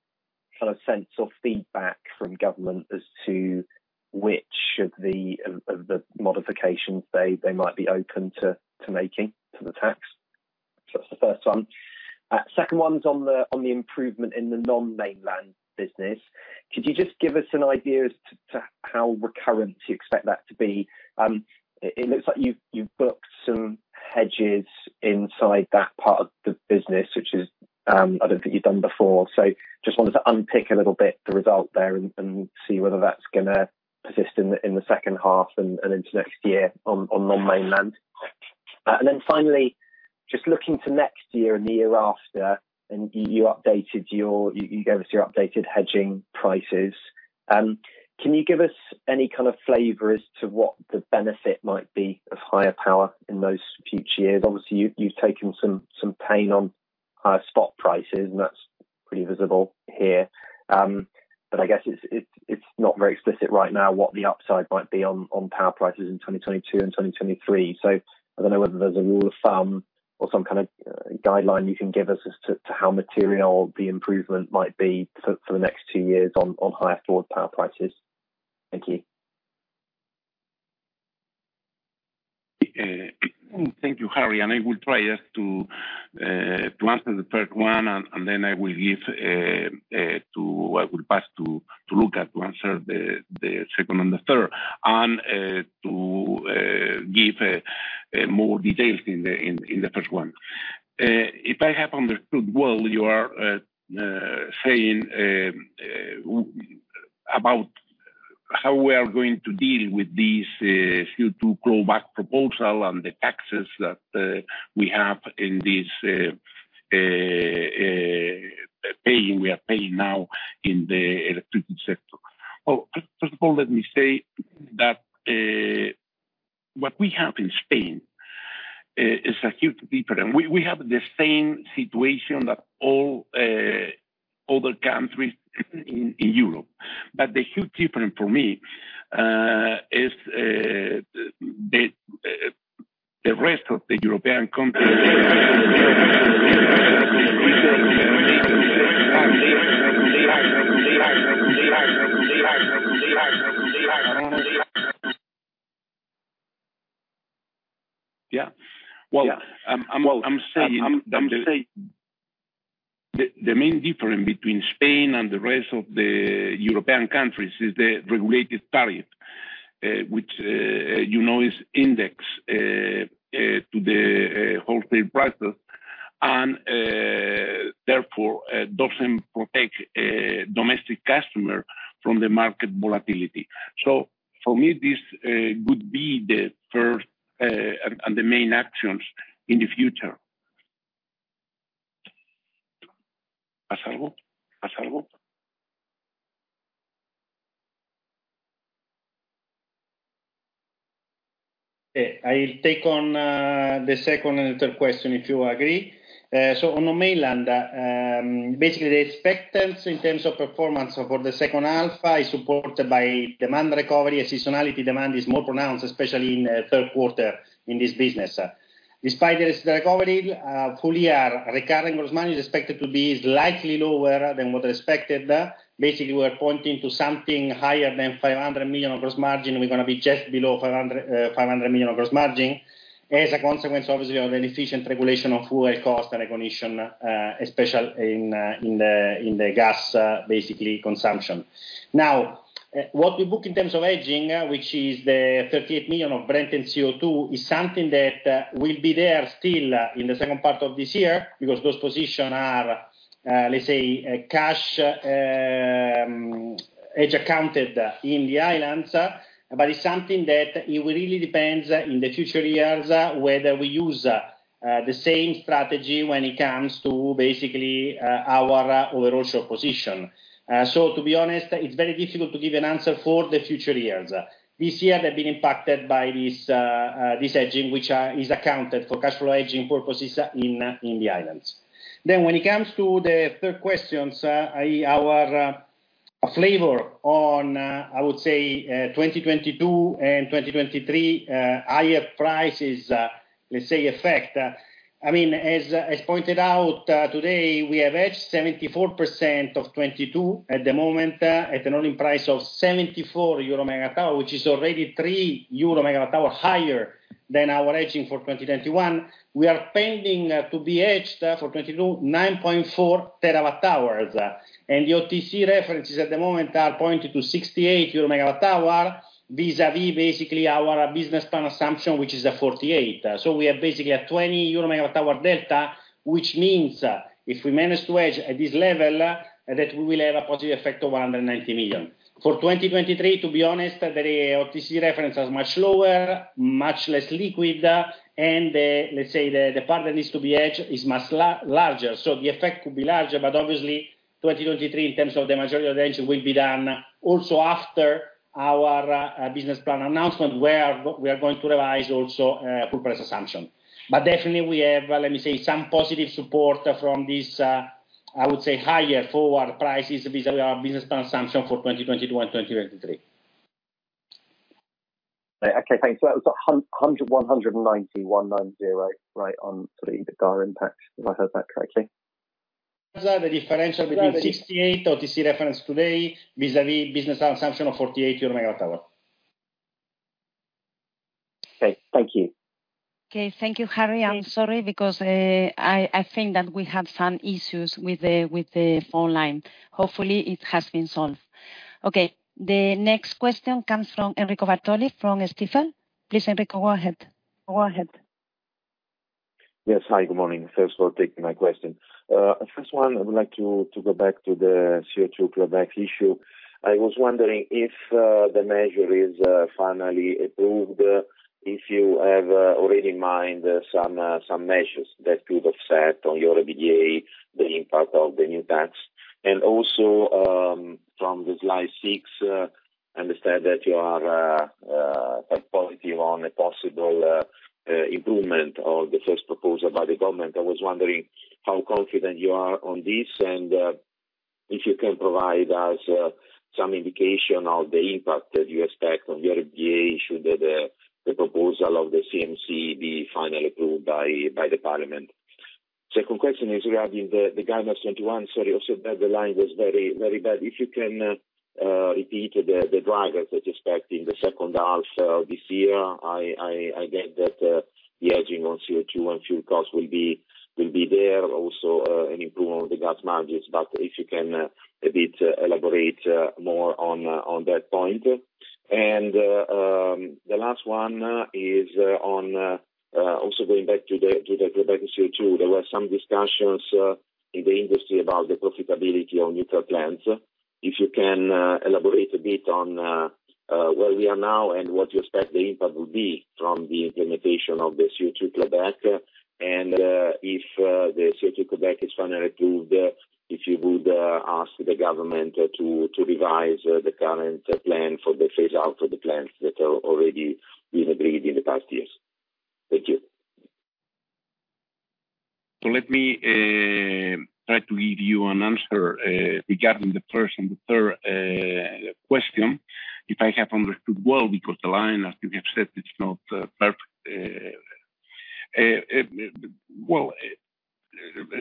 kind of sense of feedback from government as to which of the modifications they might be open to making to the tax? That's the first one. Second one's on the improvement in the non-mainland business. Could you just give us an idea as to how recurrent you expect that to be? It looks like you've booked some hedges inside that part of the business, which is, I don't think you've done before. Just wanted to unpick a little bit the result there and see whether that's going to persist in the second half and into next year on non-mainland. Finally, just looking to next year and the year after, and you gave us your updated hedging prices. Can you give us any kind of flavor as to what the benefit might be of higher power in those future years? Obviously, you've taken some pain on higher spot prices, and that's pretty visible here. I guess it's not very explicit right now what the upside might be on power prices in 2022 and 2023. I don't know whether there's a rule of thumb or some kind of guideline you can give us as to how material the improvement might be for the next two years on higher forward power prices. Thank you. Thank you, Harry, I will try just to answer the third one, then I will pass to Luca to answer the second and the third, and to give more details in the first one. If I have understood well, you are saying about how we are going to deal with this CO2 global proposal and the taxes that we are paying now in the electricity sector. Well, first of all, let me say that what we have in Spain is a huge difference. We have the same situation that all other countries in Europe. The huge difference for me is the rest of the European countries. Well, I'm saying that the main difference between Spain and the rest of the European countries is the regulated tariff, which you know, is indexed to the wholesale prices and, therefore, doesn't protect domestic customers from the market volatility. For me, this would be the first, and the main actions in the future. [inaudible] I take on the second and the third question, if you agree. On the mainland, basically the expectations in terms of performance for the second half are supported by demand recovery. Seasonality demand is more pronounced, especially in the third quarter in this business. Despite this recovery, full-year recurring gross margin is expected to be slightly lower than what is expected. Basically, we are pointing to something higher than 500 million of gross margin. We're going to be just below 500 million of gross margin as a consequence, obviously, of an efficient regulation of fuel cost and recognition, especially in the gas, basically, consumption. What we book in terms of hedging, which is the 38 million of Brent and CO2, is something that will be there still in the second part of this year, because those position are, let's say, cash hedge accounted in the islands. It's something that it will really depends in the future years whether we use the same strategy when it comes to basically our overall short position. To be honest, it's very difficult to give an answer for the future years. This year, they've been impacted by this hedging, which is accounted for cash flow hedging purposes in the islands. When it comes to the third questions, our flavor on, I would say, 2022 and 2023, higher prices, let's say effect. As pointed out today, we have hedged 74% of 2022 at the moment at a nominee price of 74 euro megawatt-hour, which is already 3 euro megawatt-hour higher than our hedging for 2021. We are pending to be hedged for 2022, 9.4 TWh. The OTC references at the moment are pointing to 68 euro megawatt-hour, vis-à-vis basically our business plan assumption, which is a 48 megawatt-hour. We have basically a 20 euro megawatt-hour delta, which means if we manage to hedge at this level, that we will have a positive effect of 190 million. For 2023, to be honest, the OTC reference is much lower, much less liquid, and let's say the part that needs to be hedged is much larger. The effect could be larger, but obviously 2023, in terms of the majority of the hedging will be done also after our business plan announcement, where we are going to revise also full price assumption. Definitely we have, let me say, some positive support from this. I would say higher forward prices vis-à-vis our business assumption for 2022 and 2023. Okay, thanks. That was 190, right, on sort of the gas impact, if I heard that correctly? The differential between 68 OTC reference today vis-à-vis business assumption of 48 euro megawatt-hour. Okay. Thank you. Okay, thank you, Harry. I'm sorry because, I think that we have some issues with the phone line. Hopefully it has been solved. Okay. The next question comes from Enrico Bartoli from Stifel. Please, Enrico, go ahead. Yes. Hi, good morning. Thanks for taking my question. First one, I would like to go back to the CO2 clawback issue. I was wondering if the measure is finally approved, if you have already in mind some measures that could offset on your EBITDA, the impact of the new tax. From the slide six, I understand that you are quite positive on a possible improvement of the first proposal by the government. I was wondering how confident you are on this, and if you can provide us some indication of the impact that you expect on your EBITDA should the proposal of the CNMC be finally approved by the parliament. Second question is regarding the guidance 2021. Sorry, also the line was very bad. If you can repeat the drivers that you expect in the second half this year. I get that the hedging on CO2 and fuel costs will be there, also an improvement of the gas margins, but if you can a bit elaborate more on that point. The last one is on, also going back to the clawback of CO2. There were some discussions in the industry about the profitability of nuclear plants. If you can elaborate a bit on where we are now and what you expect the impact will be from the implementation of the CO2 clawback. If the CO2 clawback is finally approved, if you would ask the government to revise the current plan for the phase out of the plants that are already been agreed in the past years. Thank you. Let me try to give you an answer, regarding the first and the third question, if I have understood well, because the line, as you have said, it's not perfect.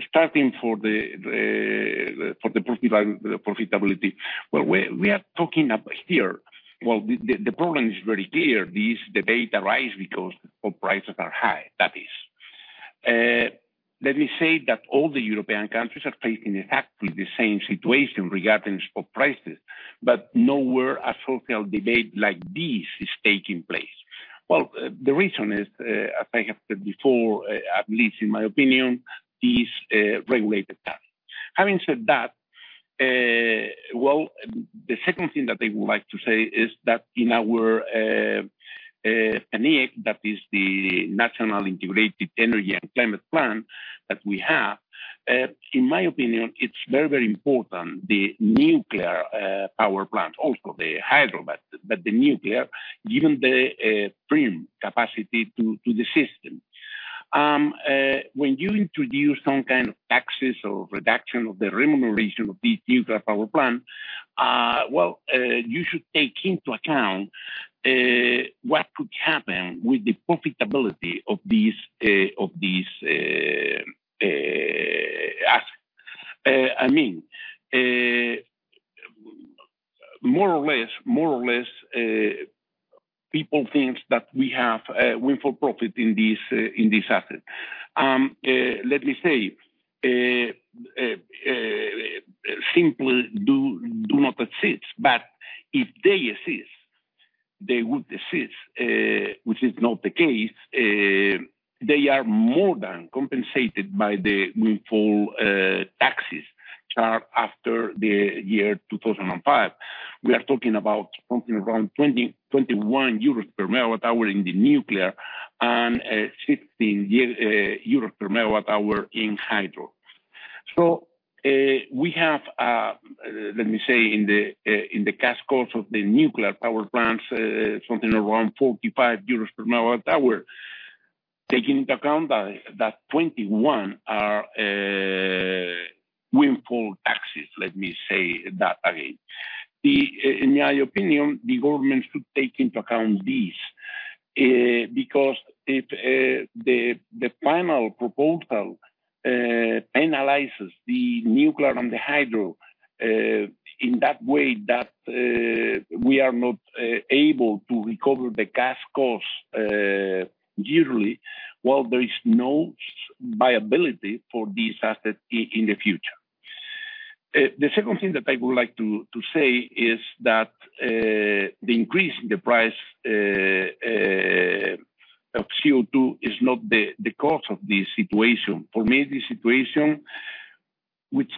Starting for the profitability, the problem is very clear. This debate arise because spot prices are high. That is. Let me say that all the European countries are facing exactly the same situation regarding spot prices, but nowhere a social debate like this is taking place. The reason is, as I have said before, at least in my opinion, this regulated tariff. Having said that, well, the second thing that I would like to say is that in our PNIEC, that is the National Integrated Energy and Climate Plan that we have, in my opinion, it's very, very important, the nuclear power plant, also the hydro, but the nuclear, given the prime capacity to the system. When you introduce some kind of taxes or reduction of the remuneration of these nuclear power plant, well, you should take into account what could happen with the profitability of these assets. I mean, more or less, people think that we have a windfall profit in this asset. Let me say, simply do not exist, but if they exist, they would exist, which is not the case, they are more than compensated by the windfall taxes charged after the year 2005. We are talking about something around 21 euros per megawatt-hour in the nuclear and 16 euros per megawatt-hour in hydro. We have, let me say, in the cash costs of the nuclear power plants, something around 45 euros per megawatt-hour. Taking into account that 21 are windfall taxes, let me say that again. In my opinion, the government should take into account this, because if the final proposal penalizes the nuclear and the hydro, in that way that we are not able to recover the cash costs yearly, well, there is no viability for this asset in the future. The second thing that I would like to say is that, the increase in the price of CO2 is not the cause of this situation. For me, the situation, which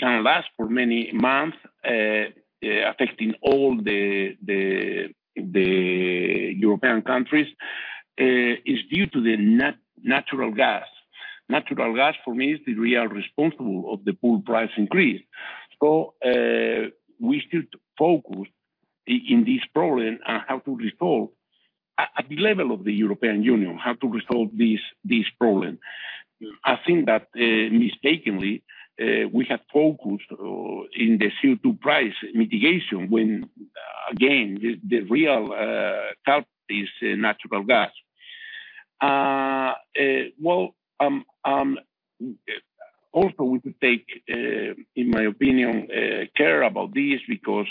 kind of last for many months, affecting all the European countries, is due to the natural gas. Natural gas, for me, is the real responsible of the pool price increase. We should focus in this problem and at the level of the European Union, how to resolve this problem? I think that mistakenly, we have focused on the CO2 price mitigation when, again, the real culprit is natural gas. We could take, in my opinion, care about this because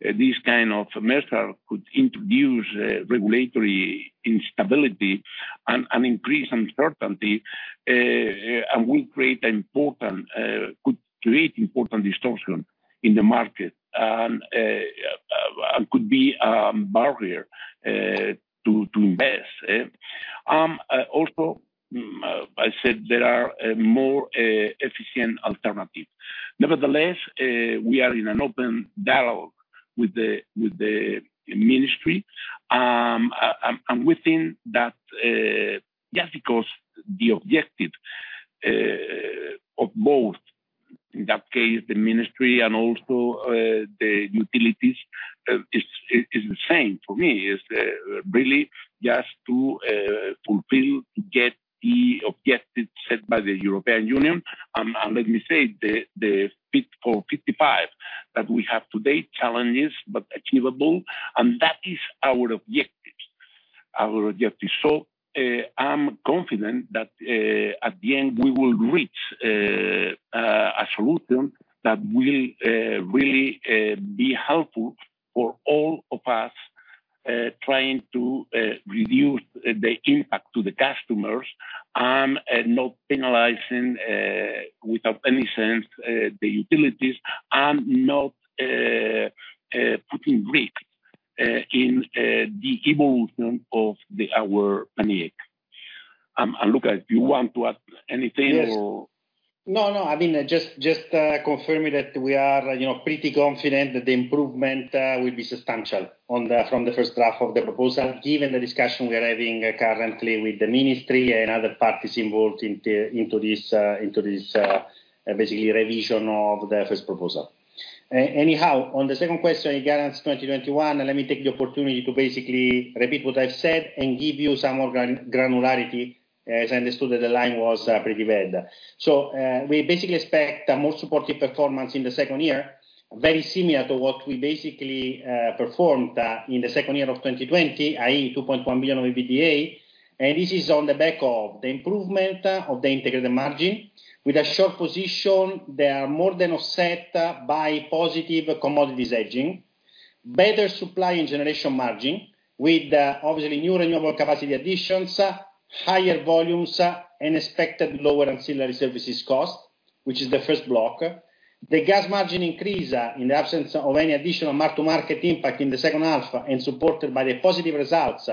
this kind of measure could introduce regulatory instability and increase uncertainty, and could create important distortion in the market, and could be a barrier to invest. I said there are more efficient alternatives. Nevertheless, we are in an open dialogue with the ministry, and within that Yes, because the objective of both, in that case, the ministry and also the utilities, is the same. For me, it is really just to fulfill, to get the objectives set by the European Union. Let me say, the Fit for 55 that we have today, challenging, but achievable, and that is our objective. I'm confident that at the end, we will reach a solution that will really be helpful for all of us trying to reduce the impact to the customers, and not penalizing without any sense the utilities, and not putting risk in the evolution of our planning. Luca, do you want to add anything or? No. Just confirming that we are pretty confident that the improvement will be substantial from the first half of the proposal, given the discussion we are having currently with the ministry and other parties involved into this, basically, revision of the first proposal. Anyhow, on the second question, guidance 2021, let me take the opportunity to basically repeat what I've said and give you some more granularity, as I understood that the line was pretty bad. We basically expect a more supportive performance in the second year, very similar to what we basically performed in the second year of 2020, i.e., 2.1 billion of EBITDA. This is on the back of the improvement of the integrated margin, with a short position that are more than offset by positive commodities hedging. Better supply and generation margin with, obviously, new renewable capacity additions, higher volumes, and expected lower ancillary services cost, which is the first block. The gas margin increase in the absence of any additional mark-to-market impact in the second half and supported by the positive results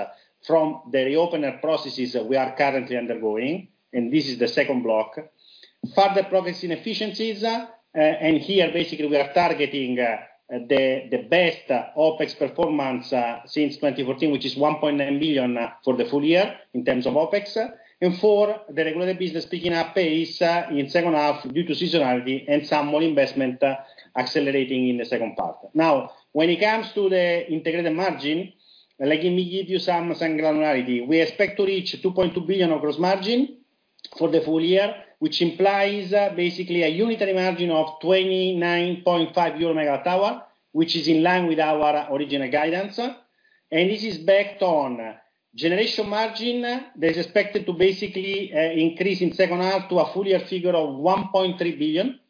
from the reopen processes we are currently undergoing, and this is the second block. Further progress in efficiencies, and here, basically, we are targeting the best OpEx performance since 2014, which is 1.9 billion for the full year in terms of OpEx. Four, the regulated business picking up pace in second half due to seasonality and some more investment accelerating in the second part. When it comes to the integrated margin, let me give you some granularity. We expect to reach 2.2 billion of gross margin for the full year, which implies basically a unitary margin of 29.5 euro megawatt-hour, which is in line with our original guidance. This is backed on generation margin that is expected to basically increase in second half to a full-year figure of 1.3 billion.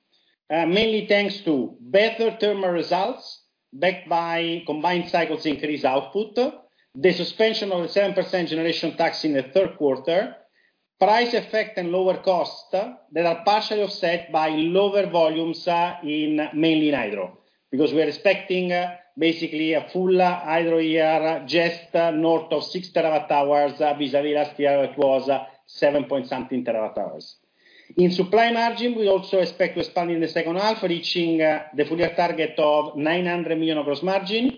Mainly thanks to better thermal results backed by combined cycles increased output, the suspension of the 7% generation tax in the third quarter, price effect and lower costs that are partially offset by lower volumes mainly in hydro, because we are expecting basically a full hydro year just north of 6 TWh, vis-à-vis last year it was 7 point something in terawatt-hour. In supply margin, we also expect to expand in the second half, reaching the full year target of 900 million of gross margin,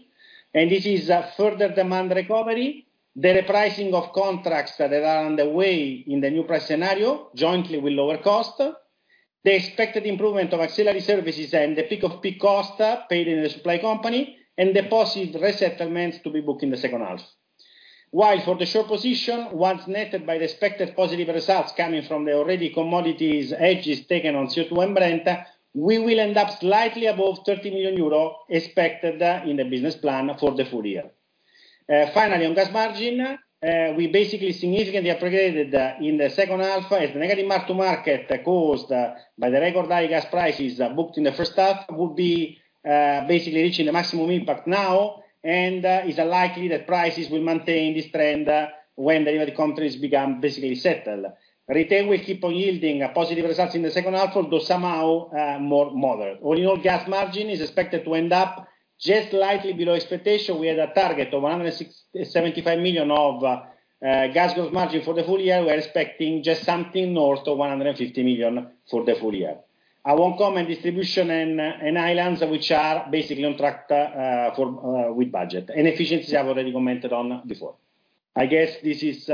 and this is further demand recovery, the repricing of contracts that are on the way in the new price scenario, jointly with lower cost, the expected improvement of ancillary services and the peak of peak cost paid in the supply company, and the positive resettlements to be booked in the second half. While for the short position, once netted by the expected positive results coming from the already commodities hedges taken on CO2 and Brent, we will end up slightly above 30 million euro expected in the business plan for the full year. Finally, on gas margin, we significantly aggregated in the second half as the negative mark-to-market caused by the record high gas prices booked in the first half would be reaching the maximum impact now, and it's likely that prices will maintain this trend when the United countries become basically settled. Retail will keep on yielding positive results in the second half, although somehow more moderate. Oil gas margin is expected to end up just slightly below expectation. We had a target of 175 million of gas gross margin for the full year. We are expecting just something north of 150 million for the full year. I won't comment distribution and islands, which are basically on track with budget. Efficiency, I already commented on before. I guess this is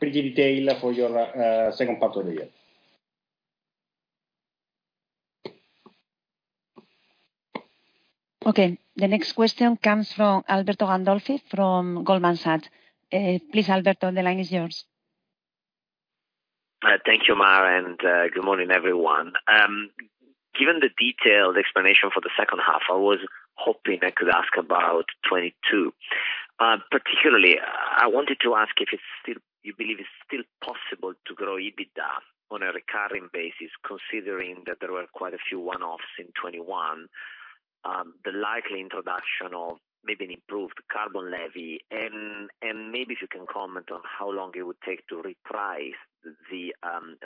pretty detailed for your second part of the year. Okay. The next question comes from Alberto Gandolfi from Goldman Sachs. Please, Alberto, the line is yours. Thank you, Mar. Good morning, everyone. Given the detailed explanation for the second half, I was hoping I could ask about 2022. Particularly, I wanted to ask if you believe it's still possible to grow EBITDA on a recurring basis, considering that there were quite a few one-offs in 2021, the likely introduction of maybe an improved carbon levy, and maybe if you can comment on how long it would take to reprice the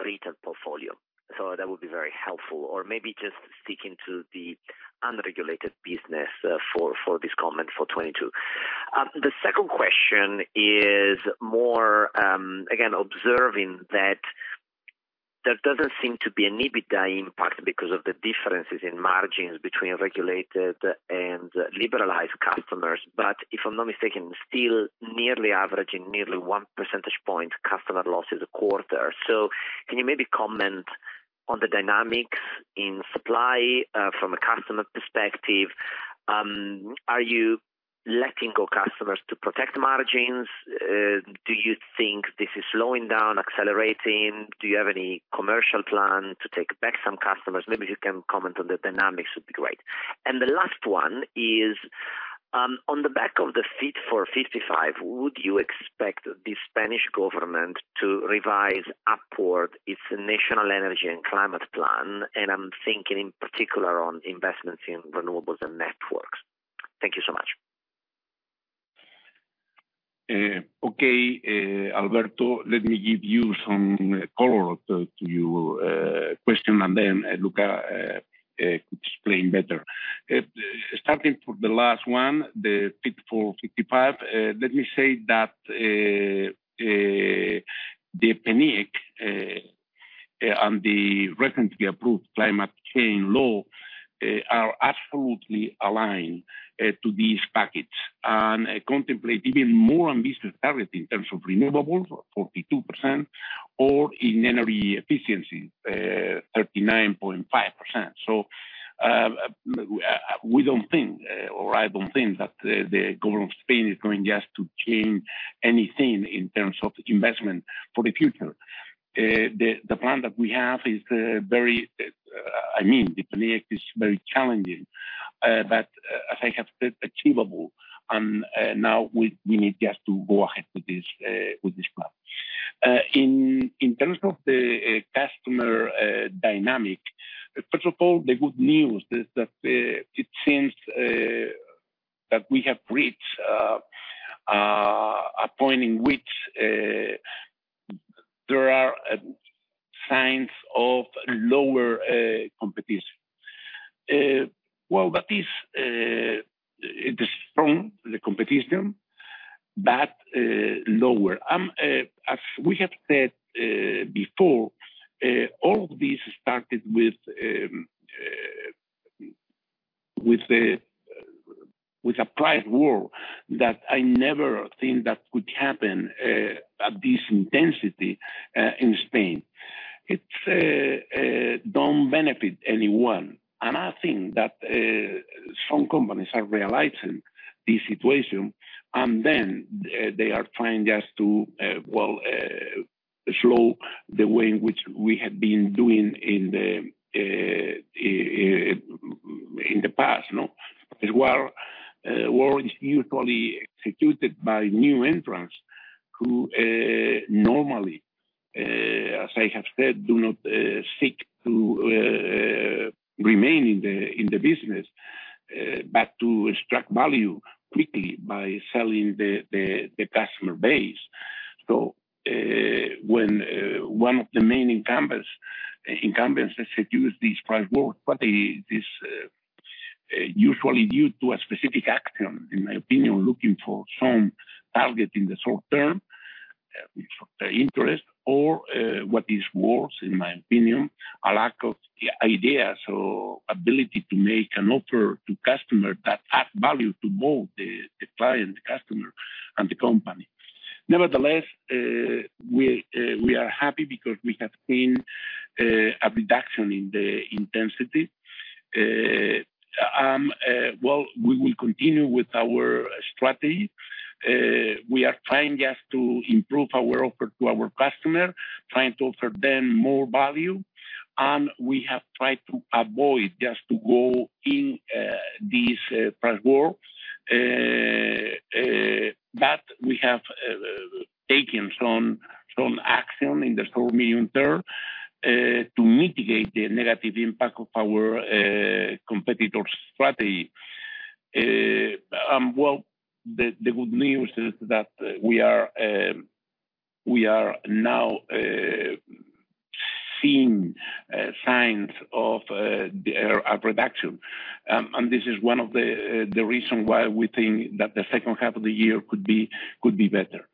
retail portfolio. That would be very helpful. Maybe just sticking to the unregulated business for this comment for 2022. The second question is more, again, observing that there doesn't seem to be an EBITDA impact because of the differences in margins between regulated and liberalized customers, but if I'm not mistaken, still averaging nearly 1 percentage point customer losses a quarter. Can you maybe comment on the dynamics in supply from a customer perspective? Are you letting go customers to protect margins? Do you think this is slowing down, accelerating? Do you have any commercial plan to take back some customers? Maybe if you can comment on the dynamics, it would be great. The last one is, on the back of the Fit for 55, would you expect the Spanish government to revise upward its National Energy and Climate Plan? I'm thinking, in particular, on investments in renewables and networks. Thank you so much. Okay, Alberto, let me give you some color to your question, and then Luca could explain better. Starting from the last one, the Fit for 55, let me say that, the PNIEC, and the recently approved climate change law are absolutely aligned to this package and contemplate even more ambitious targets in terms of renewables, 42%, or in energy efficiency, 39.5%. We don't think, or I don't think that the government of Spain is going just to change anything in terms of investment for the future. The PNIEC is very challenging, but as I have said, achievable, and now we need just to go ahead with this plan. In terms of the customer dynamic, first of all, the good news is that it seems that we have reached a point in which there are signs of lower competition. It is strong, the competition, but lower. As we have said before, all of this started with a price war that I never think that could happen at this intensity in Spain. It don't benefit anyone. I think that some companies are realizing the situation, then they are trying just to slow the way in which we have been doing in the past. War is usually executed by new entrants who normally, as I have said, do not seek to remain in the business, but to extract value quickly by selling the customer base. When one of the main incumbents executes this price war, but this usually due to a specific action, in my opinion, looking for some target in the short-term interest or, what is worse, in my opinion, a lack of ideas or ability to make an offer to customers that add value to both the client customer and the company. Nevertheless, we are happy because we have seen a reduction in the intensity. Well, we will continue with our strategy. We are trying just to improve our offer to our customer, trying to offer them more value, and we have tried to avoid just to go in this price war. We have taken some action in the short, medium term, to mitigate the negative impact of our competitor's strategy. Well, the good news is that we are now seeing signs of reduction. This is one of the reason why we think that the second half of the year could be better.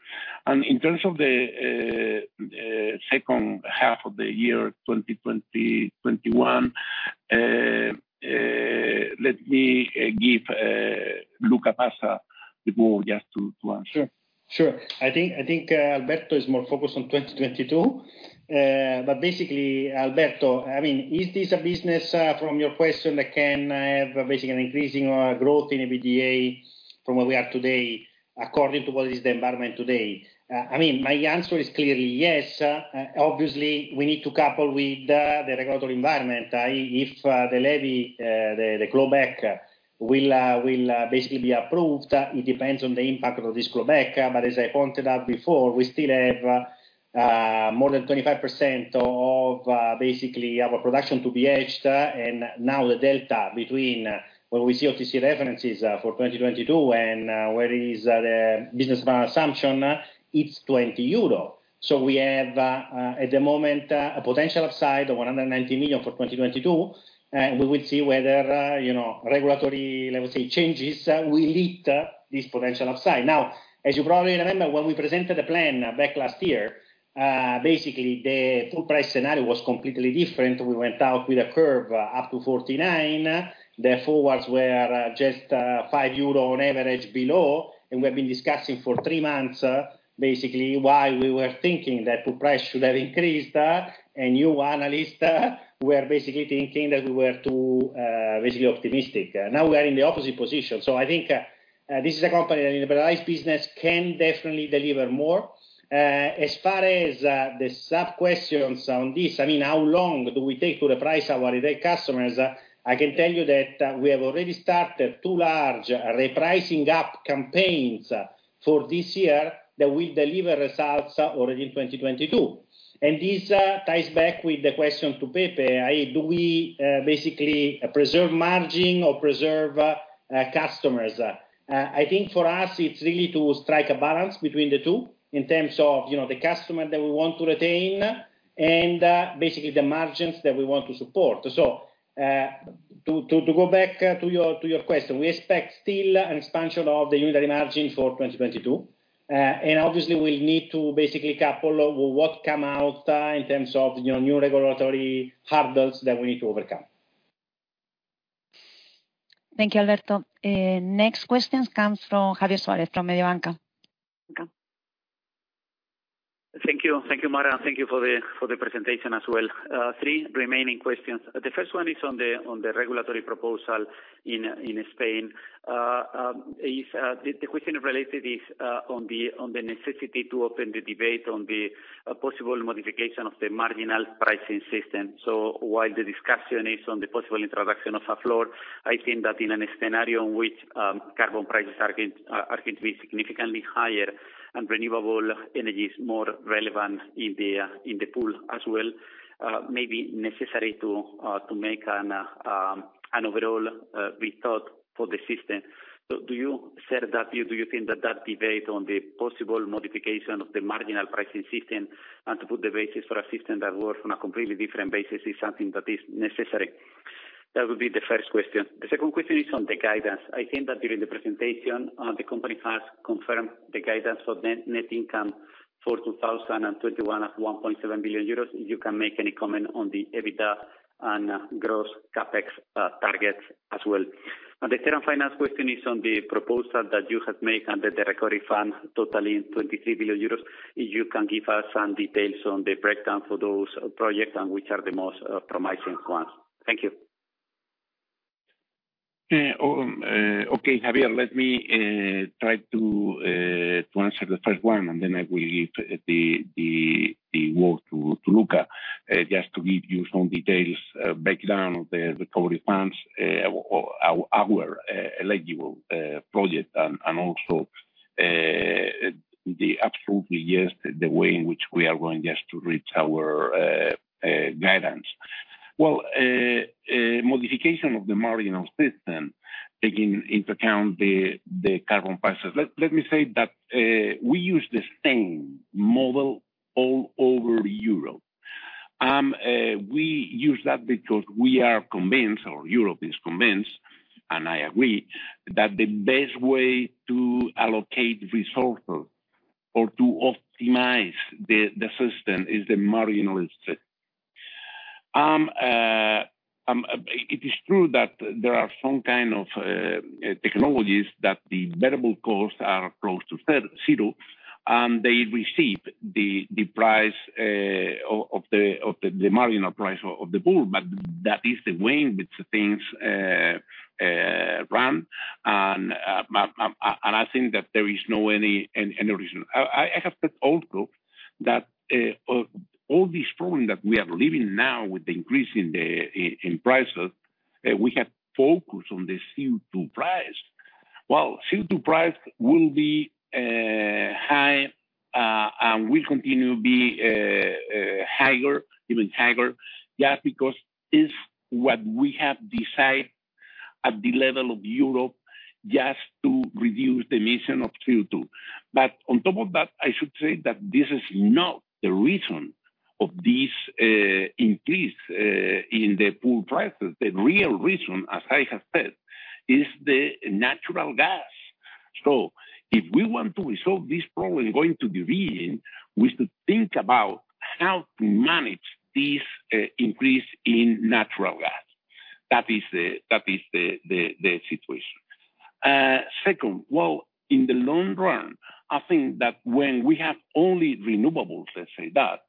In terms of the second half of the year 2021, let me give Luca Passa the ball, just to answer. Sure. I think Alberto is more focused on 2022. Basically, Alberto, is this a business, from your question, that can have basically an increasing growth in EBITDA from where we are today, according to what is the environment today? My answer is clearly yes. Obviously, we need to couple with the regulatory environment. If the levy, the clawback, will basically be approved, it depends on the impact of this clawback. As I pointed out before, we still have more than 25% of basically our production to be hedged. Now the delta between what we see OTC references for 2022 and where is the business plan assumption, it's 20 euro. We have, at the moment, a potential upside of 190 million for 2022, and we will see whether regulatory, let me say, changes will eat this potential upside. As you probably remember, when we presented the plan back last year, basically the pool price scenario was completely different. We went out with a curve up to 49. The forwards were just 5 euro on average below, we have been discussing for three months, basically why we were thinking that the price should have increased. You analysts were basically thinking that we were too basically optimistic. We are in the opposite position. I think this is a company, a liberalized business, can definitely deliver more. As far as the sub-questions on this, how long do we take to reprice our retail customers? I can tell you that we have already started two large repricing up campaigns for this year that will deliver results already in 2022. This ties back with the question to Pepe. Do we basically preserve margin or preserve customers? I think for us, it's really to strike a balance between the two in terms of the customer that we want to retain and basically the margins that we want to support. To go back to your question, we expect still an expansion of the unitary margin for 2022. Obviously, we need to basically couple what come out in terms of new regulatory hurdles that we need to overcome. Thank you, Alberto. Next questions comes from Javier Suarez from Mediobanca. Thank you. Thank you, Mar. Thank you for the presentation as well. Three remaining questions. The first one is on the regulatory proposal in Spain. The question related is on the necessity to open the debate on the possible modification of the marginal pricing system. While the discussion is on the possible introduction of a floor, I think that in any scenario in which carbon prices are going to be significantly higher and renewable energy is more relevant in the pool as well, may be necessary to make an overall rethought for the system. Do you share that view? Do you think that debate on the possible modification of the marginal pricing system and to put the basis for a system that works on a completely different basis is something that is necessary? That would be the first question. The second question is on the guidance. I think that during the presentation, the company has confirmed the guidance for net income for 2021 at 1.7 billion euros. If you can make any comment on the EBITDA and gross CapEx targets as well? The third and final question is on the proposal that you have made under the recovery fund totaling 23 billion euros. If you can give us some details on the breakdown for those projects and which are the most promising ones? Thank you. Okay, Javier, let me try to answer the first one, and then I will give the work to Luca, just to give you some details, breakdown of the recovery funds, our eligible projects, and also the absolutely, yes, the way in which we are going just to reach our guidance. Well, modification of the marginal system, taking into account the carbon prices. Let me say that we use the same model all over Europe. We use that because we are convinced, or Europe is convinced, and I agree, that the best way to allocate resources or to optimize the system is the marginal. It is true that there are some kind of technologies that the variable costs are close to zero, and they receive the marginal price of the pool, but that is the way in which things run. I think that there is not any reason. I have said also that all this problem that we are living now with the increase in prices, we have focused on the CO2 price. Well, CO2 price will be high, and will continue to be even higher, just because it's what we have decided at the level of Europe just to reduce the emission of CO2. On top of that, I should say that this is not the reason of this increase in the pool prices. The real reason, as I have said, is the natural gas. If we want to resolve this problem going to the region, we should think about how to manage this increase in natural gas. That is the situation. Second, well, in the long run, I think that when we have only renewables, let's say that,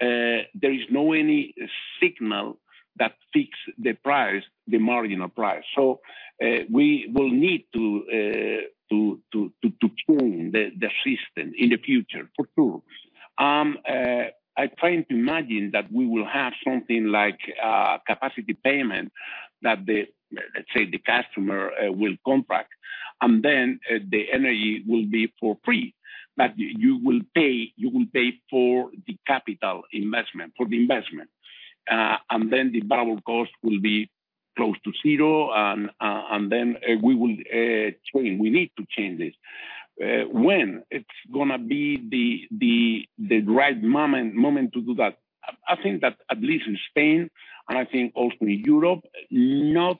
there is not any signal that fixes the marginal price. We will need to tune the system in the future for sure. I try to imagine that we will have something like a capacity payment that, let's say, the customer will contract, and then the energy will be for free. You will pay for the capital investment, for the investment. The variable cost will be close to zero, and then we will change. We need to change this. When? It's going to be the right moment to do that, I think that at least in Spain, and I think also in Europe, not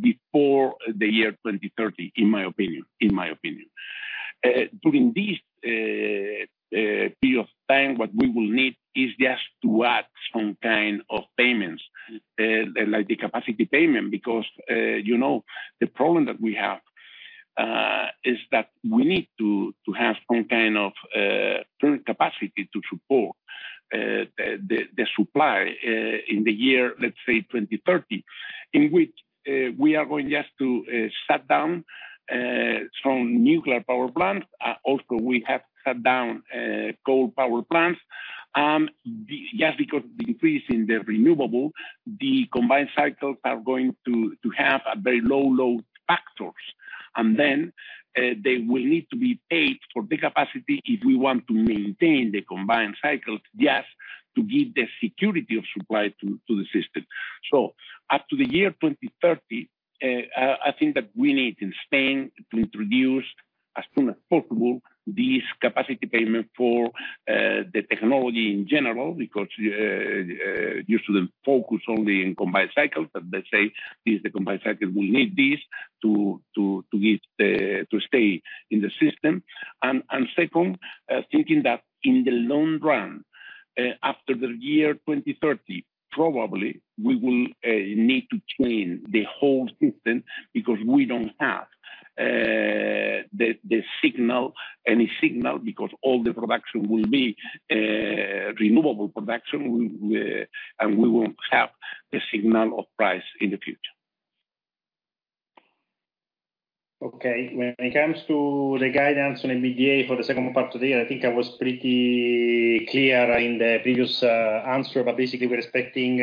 before the year 2030, in my opinion. During this period of time, what we will need is just to add some kind of payments, like the capacity payment, because the problem that we have, is that we need to have some kind of capacity to support the supply in the year, let's say, 2030, in which we are going just to shut down some nuclear power plants. Also, we have shut down coal power plants. Just because of the increase in the renewable, the combined cycles are going to have a very low load factor. They will need to be paid for the capacity if we want to maintain the combined cycles, just to give the security of supply to the system. Up to the year 2030, I think that we need, in Spain, to introduce, as soon as possible, this capacity payment for the technology in general, because it used to focus only in combined cycles, but let's say this is the combined cycle. We need this to stay in the system. Second, thinking that in the long run, after the year 2030, probably we will need to change the whole system because we don't have any signal, because all the production will be renewable production, and we won't have the signal of price in the future. When it comes to the guidance on EBITDA for the second part of the year, I think I was pretty clear in the previous answer. Basically, we're expecting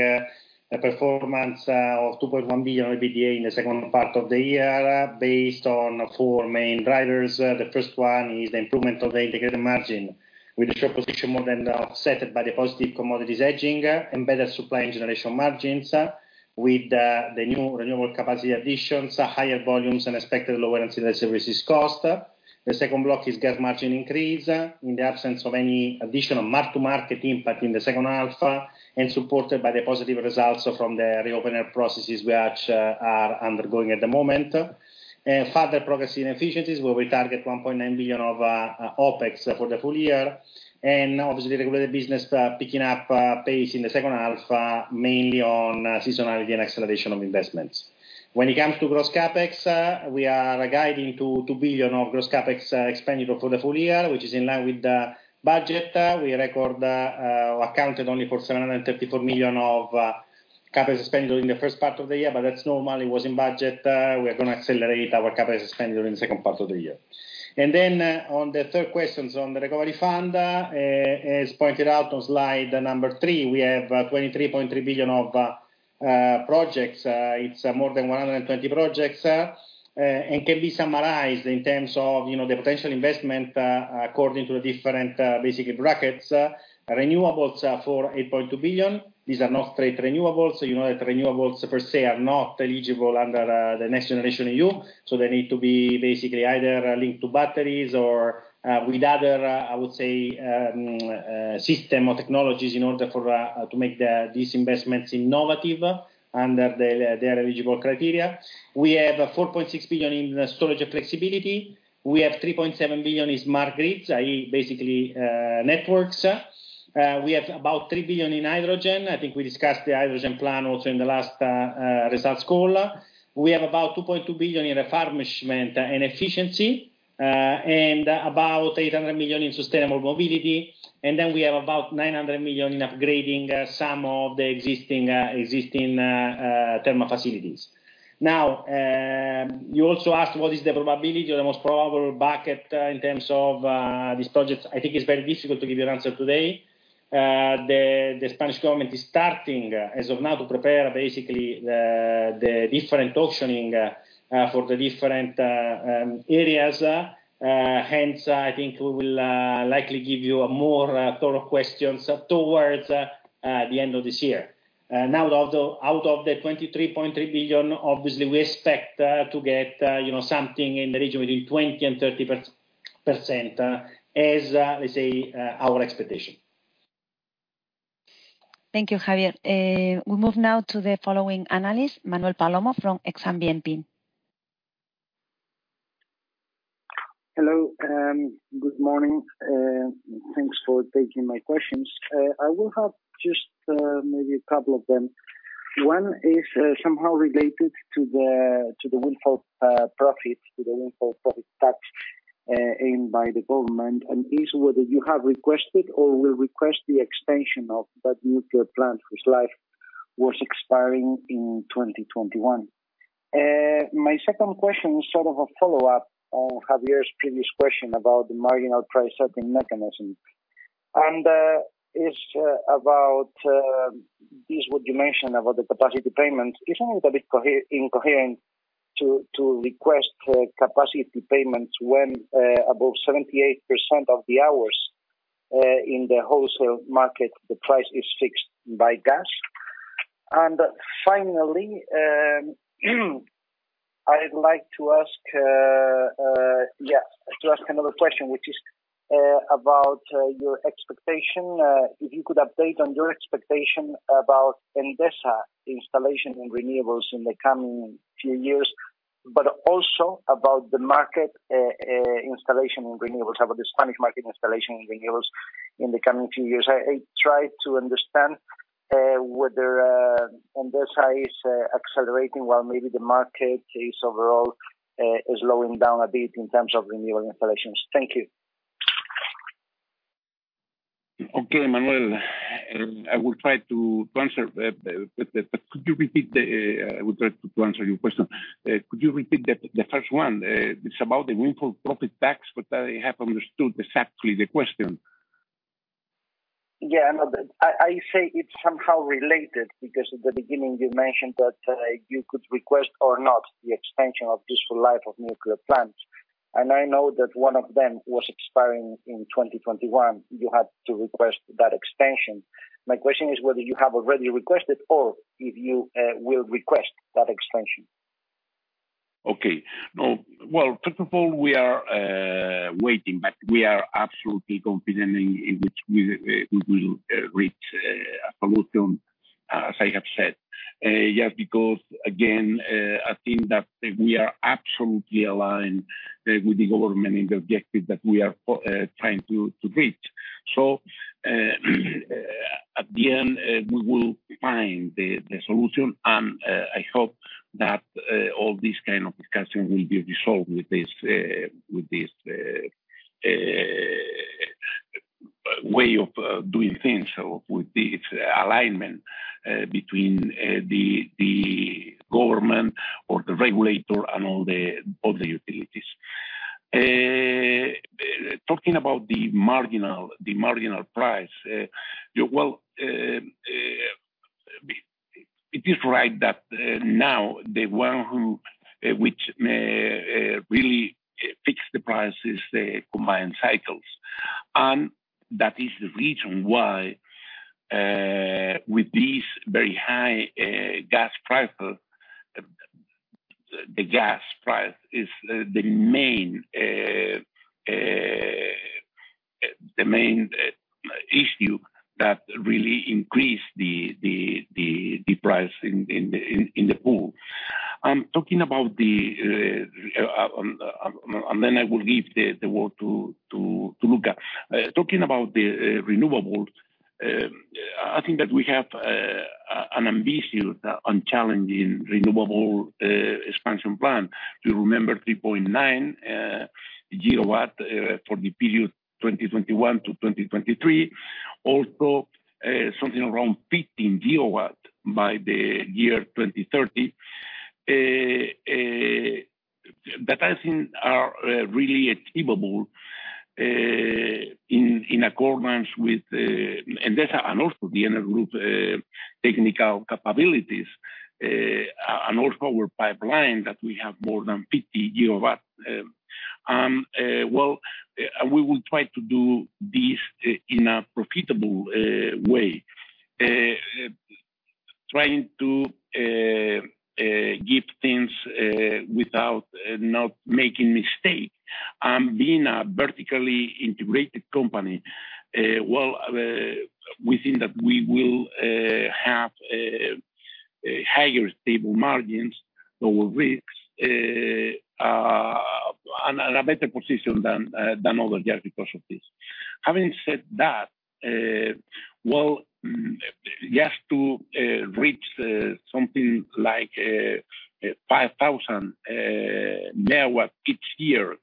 a performance of 2.1 billion of EBITDA in the second part of the year based on four main drivers. The first one is the improvement of the integrated margin with the short position more than offset by the positive commodities hedging and better supply and generation margins with the new renewable capacity additions, higher volumes and expected lower incident services cost. The second block is gas margin increase in the absence of any additional mark-to-market impact in the second half and supported by the positive results from the reopen processes we are undergoing at the moment. Further progress in efficiencies, where we target 1.9 billion of OpEx for the full year. Obviously, the regulated business picking up pace in the second half, mainly on seasonality and acceleration of investments. When it comes to gross CapEx, we are guiding to 2 billion of gross CapEx expenditure for the full year, which is in line with the budget. We accounted only for 734 million of CapEx spend in the first part of the year, but that's normal. It was in budget. We are going to accelerate our CapEx spend during the second part of the year. Then on the third question on the recovery fund, as pointed out on slide number three, we have 23.3 billion of projects. It's more than 120 projects, and can be summarized in terms of the potential investment, according to the different basic brackets. Renewables for 8.2 billion. These are not trade renewables. You know that renewables per se are not eligible under the NextGenerationEU, they need to be basically either linked to batteries or with other, I would say, system or technologies in order to make these investments innovative under their eligible criteria. We have 4.6 billion in storage and flexibility. We have 3.7 billion in smart grids, i.e., basically, networks. We have about 3 billion in hydrogen. I think we discussed the hydrogen plan also in the last results call. We have about 2.2 billion in refurbishment and efficiency, and about 800 million in sustainable mobility. We have about 900 million in upgrading some of the existing thermal facilities. You also asked what is the probability or the most probable bucket in terms of these projects. I think it's very difficult to give you an answer today. The Spanish government is starting, as of now, to prepare basically the different auctioning for the different areas. I think we will likely give you more thorough questions towards the end of this year. Out of the 23.3 billion, obviously, we expect to get something in the region within 20% and 30% as, let's say, our expectation. Thank you, Javier. We move now to the following analyst, Manuel Palomo from Exane BNP. Hello, good morning. Thanks for taking my questions. I will have just maybe a couple of them. One is somehow related to the windfall profit tax aimed by the government, is whether you have requested or will request the extension of that nuclear plant whose life was expiring in 2021. My second question is sort of a follow-up on Javier's previous question about the marginal price-setting mechanism. It's what you mentioned about the capacity payment. Isn't it a bit incoherent to request capacity payments when above 78% of the hours in the wholesale market, the price is fixed by gas? Finally, I'd like to ask another question, which is about your expectation. If you could update on your expectation about Endesa installation and renewables in the coming few years, but also about the Spanish market installation and renewables in the coming few years. I try to understand whether Endesa is accelerating while maybe the market is overall slowing down a bit in terms of renewable installations. Thank you. Okay, Manuel. I will try to answer your question. Could you repeat the first one? It's about the windfall profit tax, but I haven't understood exactly the question. Yeah, I know. I say it's somehow related because at the beginning, you mentioned that you could request or not the extension of useful life of nuclear plants, and I know that one of them was expiring in 2021. You had to request that extension. My question is whether you have already requested or if you will request that extension. Okay. Well, first of all, we are waiting, but we are absolutely confident in which we will reach a solution, as I have said. Again, I think that we are absolutely aligned with the government in the objective that we are trying to reach. At the end, we will find the solution, and I hope that all these kind of discussions will be resolved with this way of doing things, so with this alignment between the government or the regulator and all the utilities. Talking about the marginal price, it is right that now the one which really fixed the price is the Combined Cycle Gas Turbine. That is the reason why with these very high gas prices, the gas price is the main issue that really increased the price in the pool. Then I will give the word to Luca. Talking about the renewables, I think that we have an ambitious and challenging renewable expansion plan to remember 3.9 GW for the period 2021-2023, also something around 15 GW by the year 2030. That, I think, are really achievable in accordance with Endesa and also the Enel Group technical capabilities, and also our pipeline that we have more than 50 GW. We will try to do this in a profitable way, trying to give things without not making mistake. Being a vertically integrated company, we think that we will have higher stable margins over risks and a better position than other years because of this. Having said that, just to reach something like 5,000 MW each year,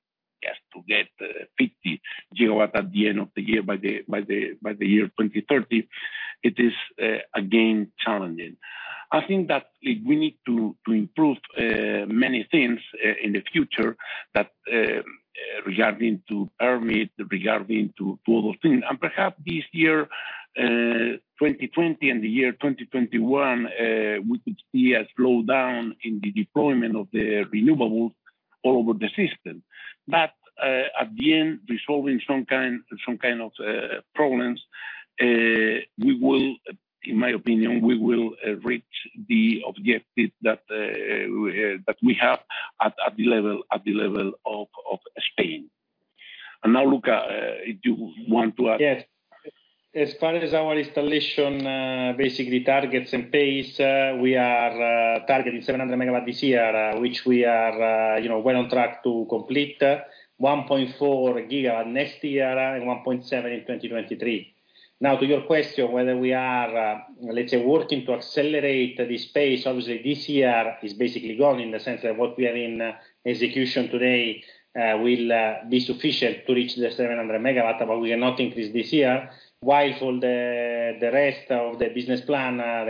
just to get 50 GW at the end of the year by the year 2030, it is again challenging. I think that we need to improve many things in the future regarding to permit, regarding to all those things. Perhaps this year, 2020, and the year 2021, we could see a slowdown in the deployment of the renewables all over the system. At the end, resolving some kind of problems, in my opinion, we will reach the objective that we have at the level of Spain. Now, Luca, if you want to add? Yes. As far as our installation, basically targets and pace, we are targeting 700 MW this year, which we are well on track to complete, 1.4 GW next year and 1.7 GW in 2023. To your question, whether we are, let's say, working to accelerate the space, obviously this year is basically gone in the sense that what we are in execution today will be sufficient to reach the 700 MW, but we cannot increase this year. For the rest of the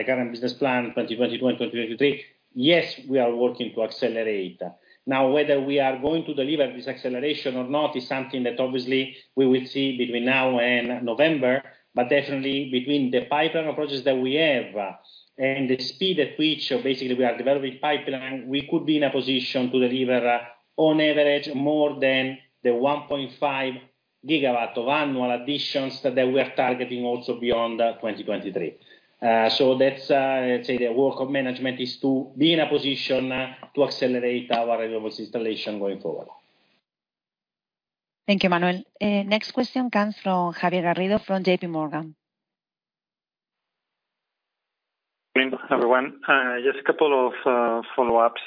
current business plan, 2022 and 2023, yes, we are working to accelerate. Whether we are going to deliver this acceleration or not is something that obviously we will see between now and November. Definitely between the pipeline of projects that we have and the speed at which basically we are developing pipeline, we could be in a position to deliver on average more than the 1.5 GW of annual additions that we are targeting also beyond 2023. Let's say the work of management is to be in a position to accelerate our renewables installation going forward. Thank you, Manuel. Next question comes from Javier Garrido from JPMorgan. Good morning, everyone. Just a couple of follow-ups.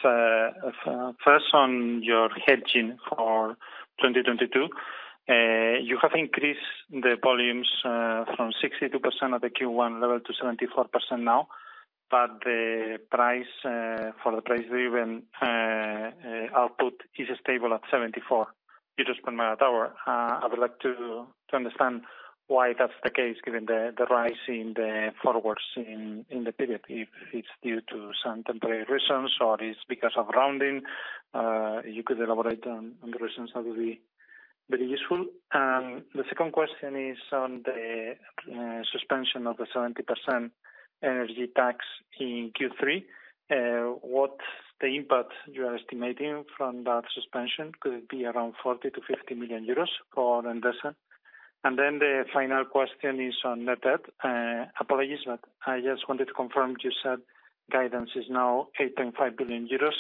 First on your hedging for 2022, you have increased the volumes from 62% of the Q1 level to 74% now, but the price for the price-driven output is stable at 74 euros per megawatt-hour. I would like to understand why that's the case, given the rise in the forwards in the period. If it's due to some temporary reasons or it's because of rounding, if you could elaborate on the reasons, that would be very useful. The second question is on the suspension of the 70% energy tax in Q3. What's the impact you are estimating from that suspension? Could it be around 40 million-50 million euros for Endesa? The final question is on net debt. Apologies, I just wanted to confirm, you said guidance is now 8.5 billion euros,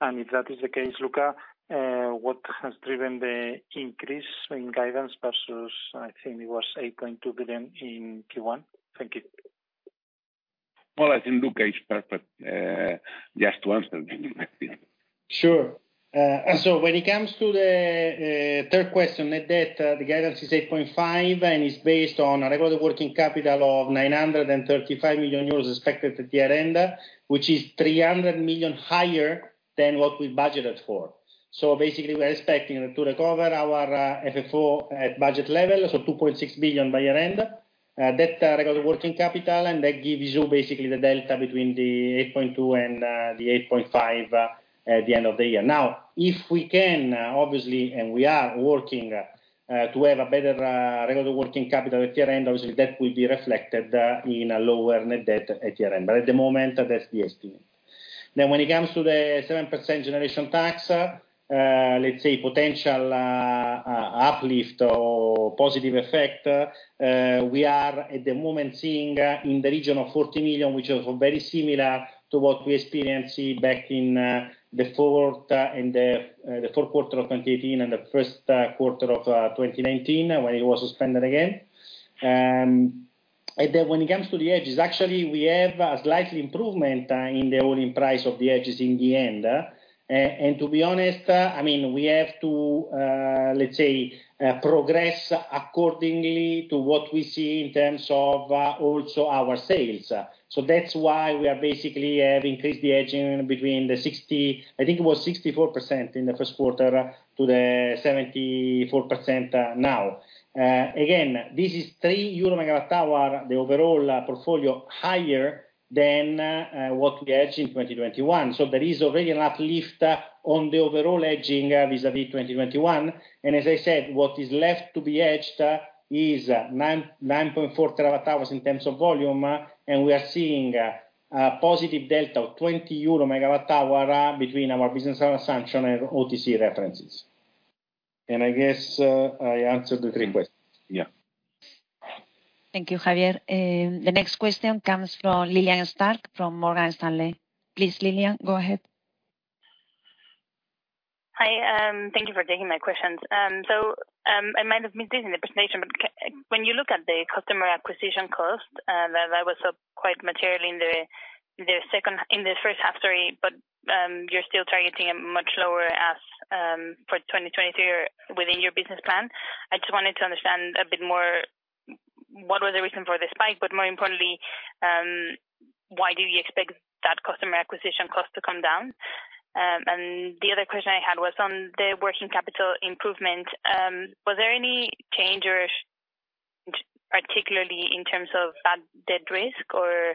and if that is the case, Luca, what has driven the increase in guidance versus, I think it was 8.2 billion in Q1? Thank you. Well, I think Luca is perfect just to answer the next question. Sure. When it comes to the third question, net debt, the guidance is 8.5, and it's based on a regular working capital of 935 million euros expected at year-end, which is 300 million higher than what we budgeted for. Basically, we are expecting to recover our FFO at budget level, 2.6 billion by year-end. Debt regular working capital, that gives you basically the delta between the 8.2 and the 8.5 at the end of the year. If we can, obviously, and we are working to have a better regular working capital at year-end, obviously, that will be reflected in a lower net debt at year-end. At the moment, that's the estimate. When it comes to the 7% generation tax, let's say potential uplift or positive effect, we are at the moment seeing in the region of 40 million, which is very similar to what we experienced back in the fourth quarter of 2018 and the first quarter of 2019, when it was suspended again. When it comes to the hedges, actually, we have a slight improvement in the all-in price of the hedges in the end. To be honest, we have to, let's say, progress accordingly to what we see in terms of also our sales. That's why we are basically have increased the hedging between the, I think it was 64% in the first quarter to the 74% now. Again, this is 3 euro megawatt-hour, the overall portfolio, higher than what we hedged in 2021. There is already an uplift on the overall hedging vis-à-vis 2021. As I said, what is left to be hedged is 9.4 TWh in terms of volume, and we are seeing a positive delta of 20 euro megawatt-hour between our business assumption and OTC references. I guess I answered the three questions. Yeah. Thank you, Javier. The next question comes from Lillian Starke from Morgan Stanley. Please, Lillian, go ahead. Hi. Thank you for taking my questions. I might have missed this in the presentation, but when you look at the customer acquisition cost, that was up quite materially in the first half story, but you're still targeting a much lower ask for 2023 within your business plan. I just wanted to understand a bit more what was the reason for the spike, but more importantly, why do you expect that customer acquisition cost to come down? The other question I had was on the working capital improvement. Was there any change or particularly in terms of bad debt risk, or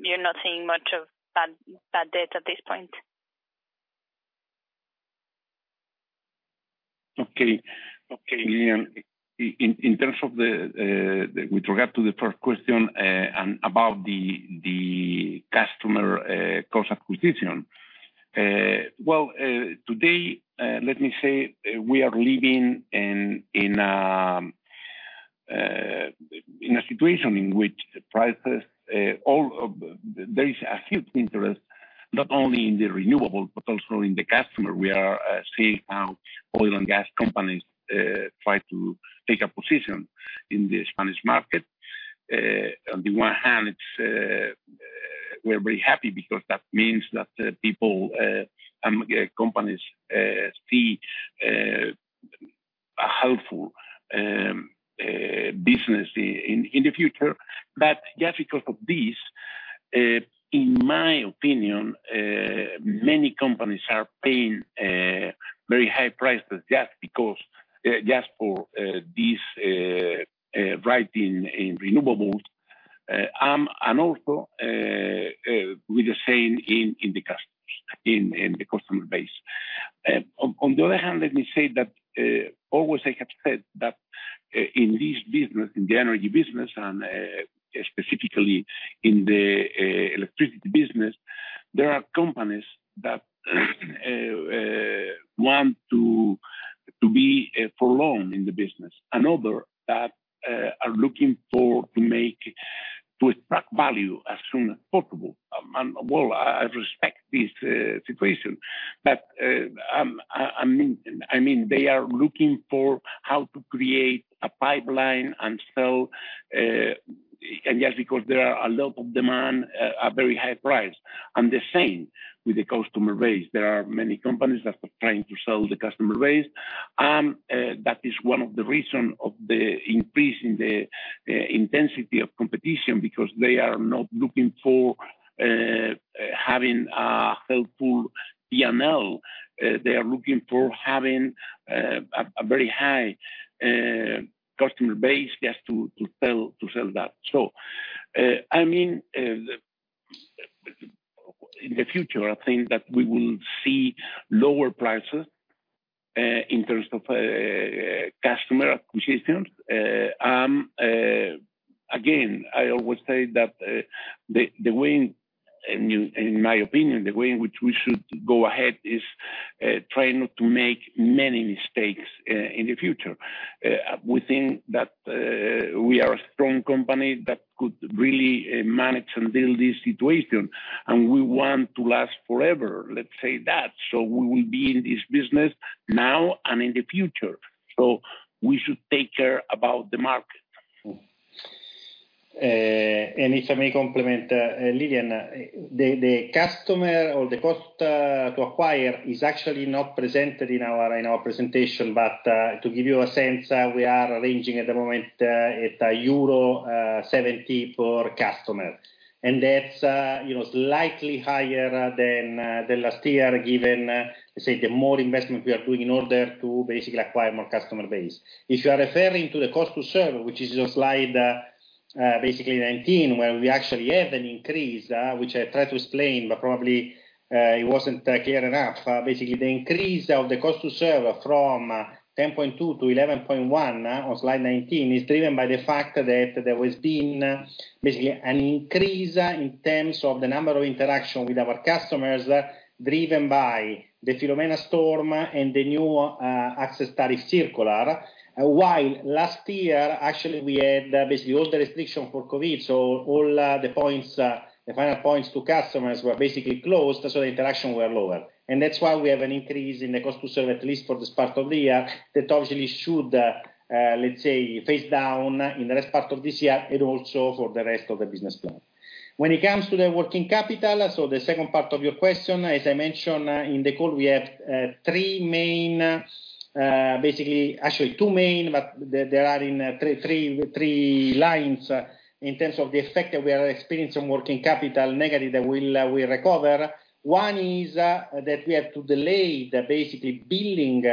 you're not seeing much of bad debt at this point? Okay, Lillian, with regard to the first question and about the customer cost acquisition. Well, today, let me say, we are living in a situation in which prices, there is a huge interest, not only in the renewable, but also in the customer. We are seeing how oil and gas companies try to take a position in the Spanish market. On the one hand, we're very happy because that means that people and companies see a helpful business in the future. Just because of this, in my opinion, many companies are paying very high prices just for this rise in renewables, and also with the same in the customer base. On the other hand, let me say that always I have said that in this business, in the energy business, and specifically in the electricity business, there are companies that want to be for long in the business, and other that are looking to extract value as soon as possible. Well, I respect this situation. They are looking for how to create a pipeline and sell, and just because there are a lot of demand, a very high price. The same with the customer base. There are many companies that are trying to sell the customer base. That is one of the reason of the increase in the intensity of competition, because they are not looking for having a helpful EML. They are looking for having a very high customer base just to sell that. In the future, I think that we will see lower prices in terms of customer acquisitions. Again, I always say that in my opinion, the way in which we should go ahead is try not to make many mistakes in the future. We think that we are a strong company that could really manage and build this situation, and we want to last forever, let's say that. We will be in this business now and in the future, so we should take care about the market. If I may complement Lillian, the customer or the cost to acquire is actually not presented in our presentation. To give you a sense, we are ranging at the moment at euro 70 per customer. That's slightly higher than the last year, given, say, the more investment we are doing in order to basically acquire more customer base. If you are referring to the cost to serve, which is your slide 19, where we actually have an increase, which I try to explain, but probably it wasn't clear enough. Basically, the increase of the cost to serve from 10.2%-11.1% on slide 19 is driven by the fact that there has been basically an increase in terms of the number of interaction with our customers, driven by the Filomena storm and the new access tariff circular. While last year, actually, we had basically all the restriction for COVID, so all the final points to customers were basically closed, so the interaction were lower. That's why we have an increase in the cost to serve, at least for this part of the year, that obviously should, let's say, phase down in the last part of this year, and also for the rest of the business plan. When it comes to the working capital, so the second part of your question, as I mentioned in the call, we have three main, actually two main, but they are in three lines in terms of the effect that we are experiencing working capital negative that we will recover. One is that we have to delay the basically billing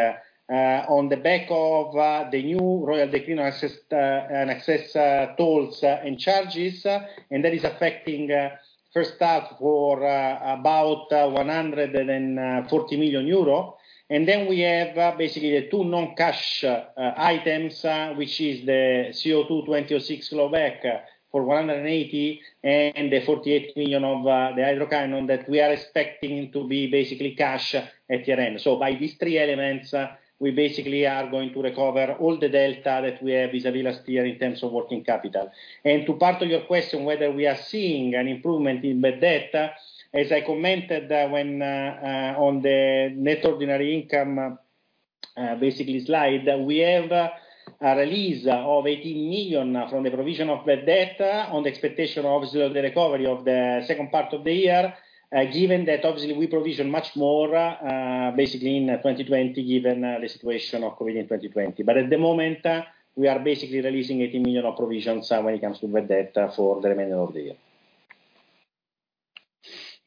on the back of the new Royal Decree on access tolls and charges, and that is affecting first half for about 140 million euro. Then we have the two non-cash items, which is the CO2 clawback for 180 million, and the 48 million of the hydro cannon that we are expecting to be basically cash at year-end. By these three elements, we are going to recover all the delta that we have vis-à-vis last year in terms of working capital. To part of your question, whether we are seeing an improvement in bad debt, as I commented on the net ordinary income slide, we have a release of 18 million from the provision of bad debt on the expectation, obviously, of the recovery of the second part of the year, given that obviously we provision much more basically in 2020, given the situation of COVID in 2020. At the moment, we are basically releasing 18 million of provisions when it comes to bad debt for the remainder of the year.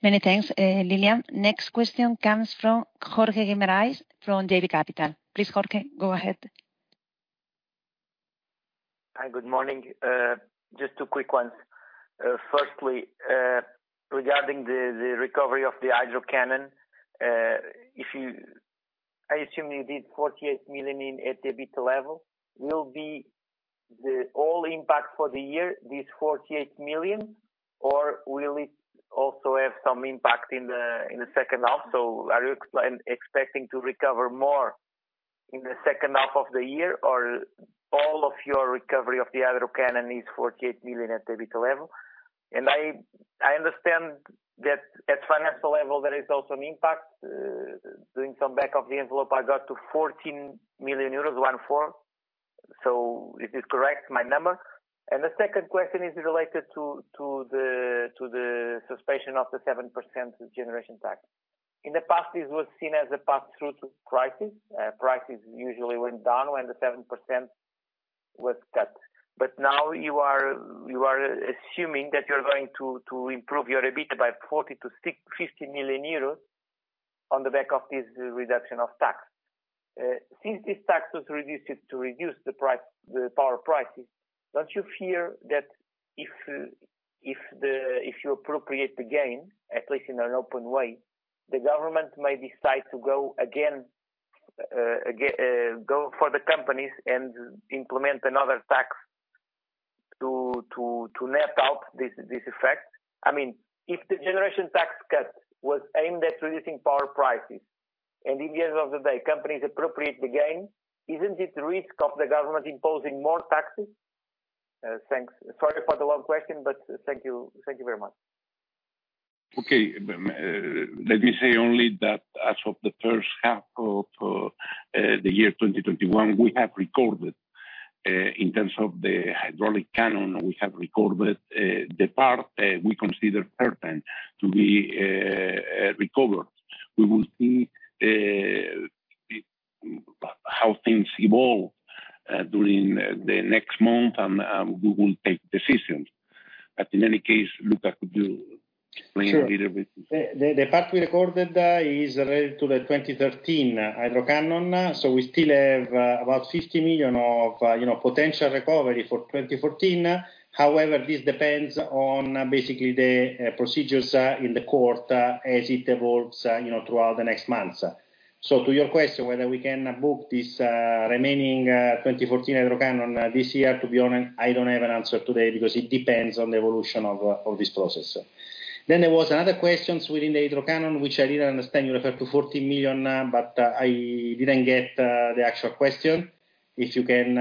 Many thanks, Lillian. Next question comes from Jorge Guimarães from JB Capital. Please, Jorge, go ahead. Hi, good morning. Just two quick ones. Firstly, regarding the recovery of the hydro cannon. I assume you did 48 million in EBITDA level, will be the all impact for the year, this 48 million? Will it also have some impact in the second half? Are you expecting to recover more in the second half of the year, or all of your recovery of the hydro cannon is 48 million at the EBITDA level? I understand that at financial level, there is also an impact. Doing some back-of-the-envelope, I got to 14 million euros. Is this correct, my number? The second question is related to the suspension of the 7% generation tax. In the past, this was seen as a pass-through to prices. Prices usually went down when the 7% was cut. Now you are assuming that you're going to improve your EBITDA by 40 million-50 million euros on the back of this reduction of tax. Since this tax was reduced to reduce the power prices, don't you fear that if you appropriate the gain, at least in an open way, the government may decide to go for the companies and implement another tax to net out this effect? If the generation tax cut was aimed at reducing power prices, and at the end of the day, companies appropriate the gain, isn't it risk of the government imposing more taxes? Thanks. Sorry for the long question, but thank you very much. Okay. Let me say only that as of the first half of the year 2021, we have recorded, in terms of the hydraulic cannon, we have recorded the part we consider pertinent to be recovered. We will see how things evolve during the next month. We will take decisions. In any case, Luca, could you explain a little bit? Sure. The part we recorded is related to the 2013 hydro cannon. We still have about 50 million of potential recovery for 2014. However, this depends on basically the procedures in the court as it evolves throughout the next months. To your question, whether we can book this remaining 2014 hydro cannon this year, to be honest, I don't have an answer today because it depends on the evolution of this process. There was another question within the hydro cannon, which I didn't understand. You referred to 14 million, but I didn't get the actual question. If you can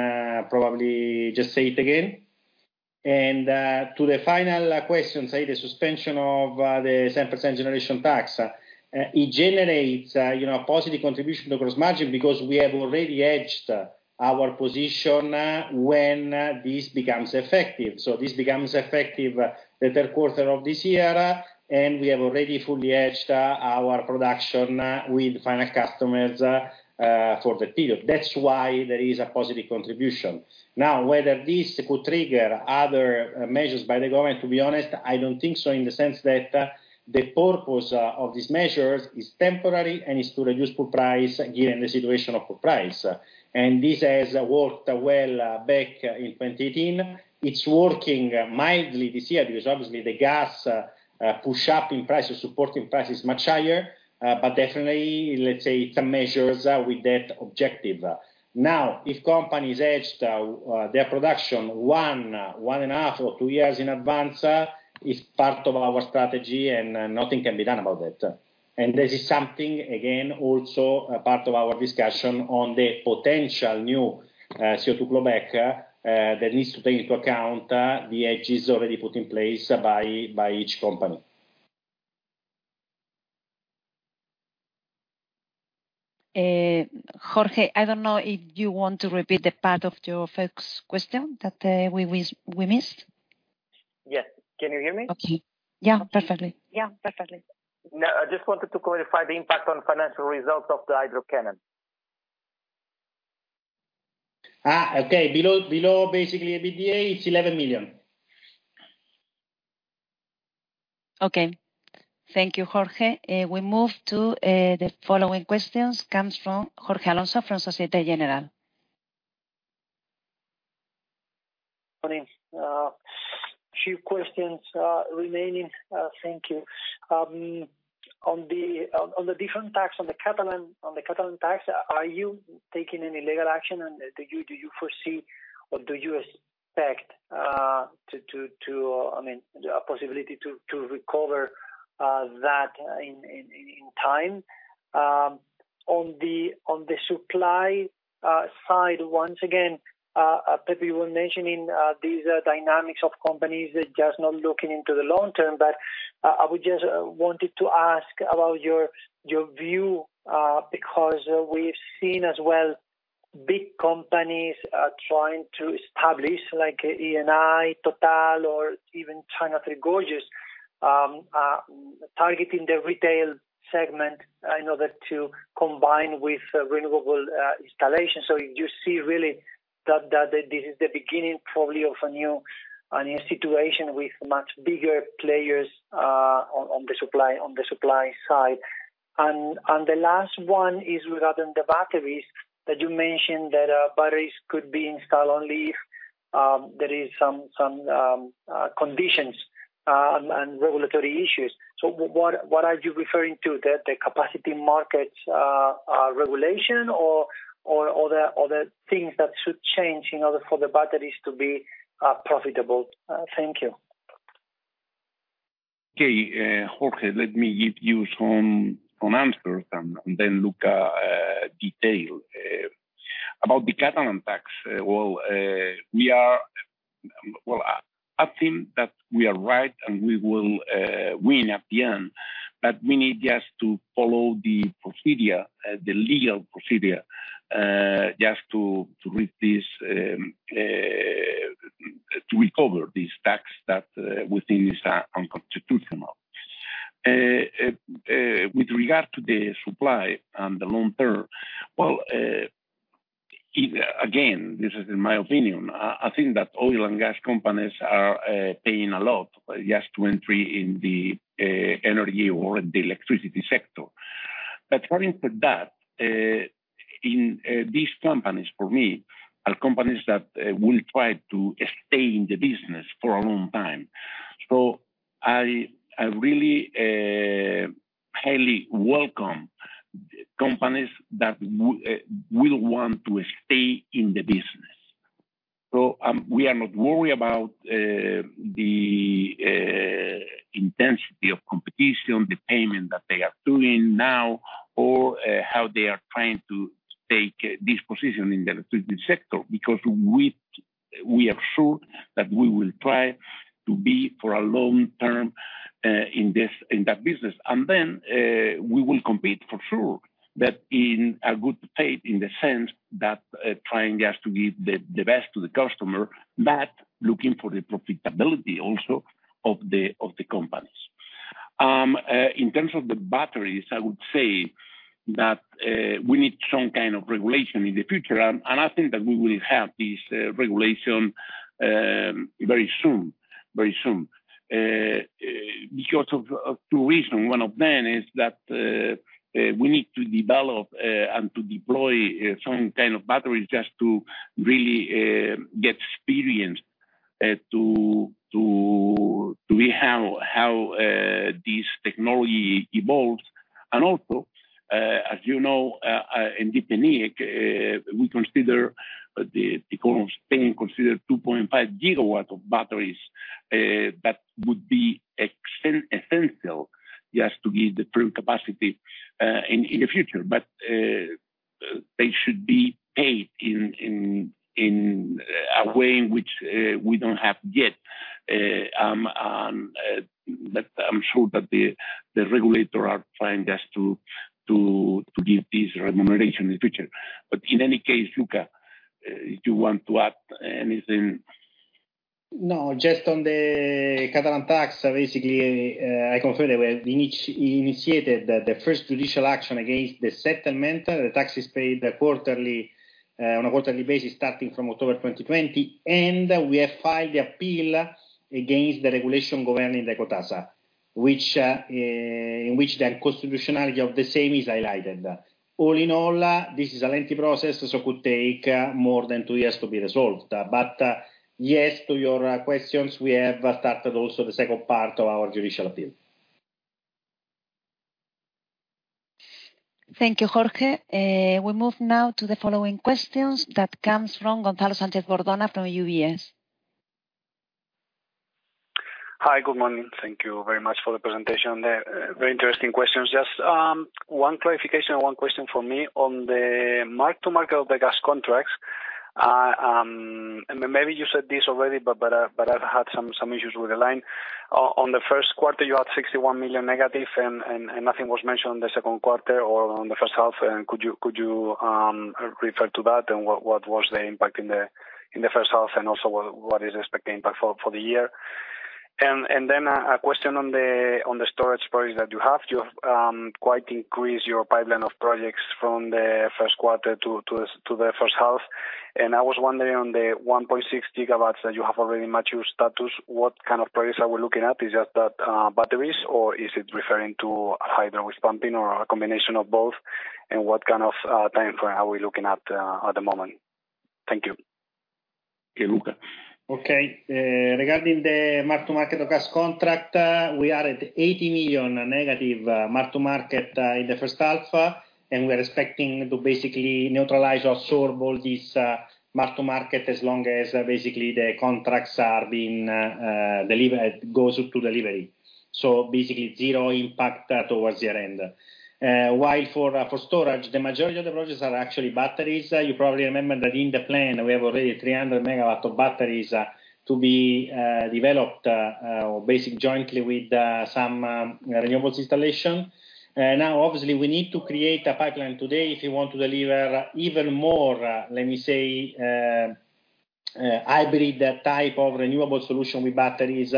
probably just say it again. To the final question, say, the suspension of the 7% generation tax, it generates a positive contribution to gross margin because we have already hedged our position when this becomes effective. This becomes effective the third quarter of this year, and we have already fully hedged our production with final customers for the period. That's why there is a positive contribution. Whether this could trigger other measures by the government, to be honest, I don't think so in the sense that the purpose of these measures is temporary and is to reduce pool price given the situation of pool price. This has worked well back in 2018. It's working mildly this year because obviously the gas push-up in prices, supporting prices much higher. Definitely, let's say it's a measure with that objective. If companies hedged their production one year, 1.5 year, or 2 years in advance, it's part of our strategy and nothing can be done about it. This is something, again, also a part of our discussion on the potential new CO2 clawback that needs to take into account the hedges already put in place by each company. Jorge, I don't know if you want to repeat the part of your first question that we missed. Yes. Can you hear me? Okay. Yeah, perfectly. Yeah. Perfectly. No, I just wanted to clarify the impact on financial results of the hydro cannon. Okay. Below, basically, EBITDA, it's 11 million. Okay. Thank you, Jorge. We move to the following questions, comes from Jorge Alonso from Société Générale. Good morning. A few questions remaining. Thank you. On the different tax, on the Catalan tax, are you taking any legal action, and do you foresee or do you expect a possibility to recover that in time? On the supply side, once again, Pepe was mentioning these dynamics of companies that just not looking into the long term, but I would just wanted to ask about your view, because we've seen as well big companies trying to establish, like Eni, TotalEnergies, or even China Three Gorges, targeting the retail segment in order to combine with renewable installation. You see really that this is the beginning probably of a new situation with much bigger players on the supply side. The last one is regarding the batteries, that you mentioned that batteries could be installed only if there is some conditions and regulatory issues. What are you referring to, the capacity markets regulation or other things that should change in order for the batteries to be profitable? Thank you. Okay, Jorge, let me give you some answers and then look at detail. About the Catalan tax, I think that we are right, and we will win at the end, but we need just to follow the legal procedure just to recover this tax that we think is unconstitutional. With regard to the supply and the long term, again, this is in my opinion, I think that oil and gas companies are paying a lot just to entry in the energy or the electricity sector. Having said that, these companies, for me, are companies that will try to stay in the business for a long time. I really highly welcome companies that will want to stay in the business. We are not worried about the intensity of competition, the payment that they are doing now, or how they are trying to take this position in the electricity sector, because we are sure that we will try to be for a long term in that business. Then, we will compete for sure, but in a good faith in the sense that trying just to give the best to the customer, but looking for the profitability also of the companies. In terms of the batteries, I would say that we need some kind of regulation in the future, I think that we will have this regulation very soon. Because of two reasons. One of them is that we need to develop and to deploy some kind of batteries just to really get experience to how this technology evolves. Also, as you know, in PNIEC, Spain considered 2.5 GW of batteries that would be essential just to give the full capacity in the future. They should be paid in a way in which we don't have yet. I'm sure that the regulator are trying just to give this remuneration in the future. In any case, Luca, do you want to add anything? No, just on the Catalan tax, basically, I confirm that we initiated the first judicial action against the settlement. The tax is paid on a quarterly basis starting from October 2020. We have filed the appeal against the regulation governing the quota, in which the constitutionality of the same is highlighted. All in all, this is a lengthy process, so could take more than two years to be resolved. Yes, to your questions, we have started also the second part of our judicial appeal. Thank you, Jorge. We move now to the following questions that comes from Gonzalo Sánchez-Bordona from UBS. Hi. Good morning. Thank you very much for the presentation. Very interesting questions. Just one clarification and one question from me. On the mark-to-market of the gas contracts, and maybe you said this already, but I've had some issues with the line. On the first quarter, you had -61 million, and nothing was mentioned on the second quarter or on the first half. Could you refer to that, and what was the impact in the first half, and also what is expected impact for the year? Then a question on the storage projects that you have. You have quite increased your pipeline of projects from the first quarter to the first half, and I was wondering on the 1.6 GW that you have already mature status, what kind of projects are we looking at? Is that batteries, or is it referring to hydro pumping or a combination of both? What kind of time frame are we looking at at the moment? Thank you. Luca. Okay. Regarding the mark-to-market of gas contract, we are at -80 million mark-to-market in the first half. We are expecting to basically neutralize or absorb all this mark-to-market as long as basically the contracts goes to delivery. Basically, zero impact towards the year-end. While for storage, the majority of the projects are actually batteries. You probably remember that in the plan, we have already 300 MW of batteries to be developed, basic jointly with some renewables installation. Obviously, we need to create a pipeline today if we want to deliver even more, let me say, hybrid type of renewable solution with batteries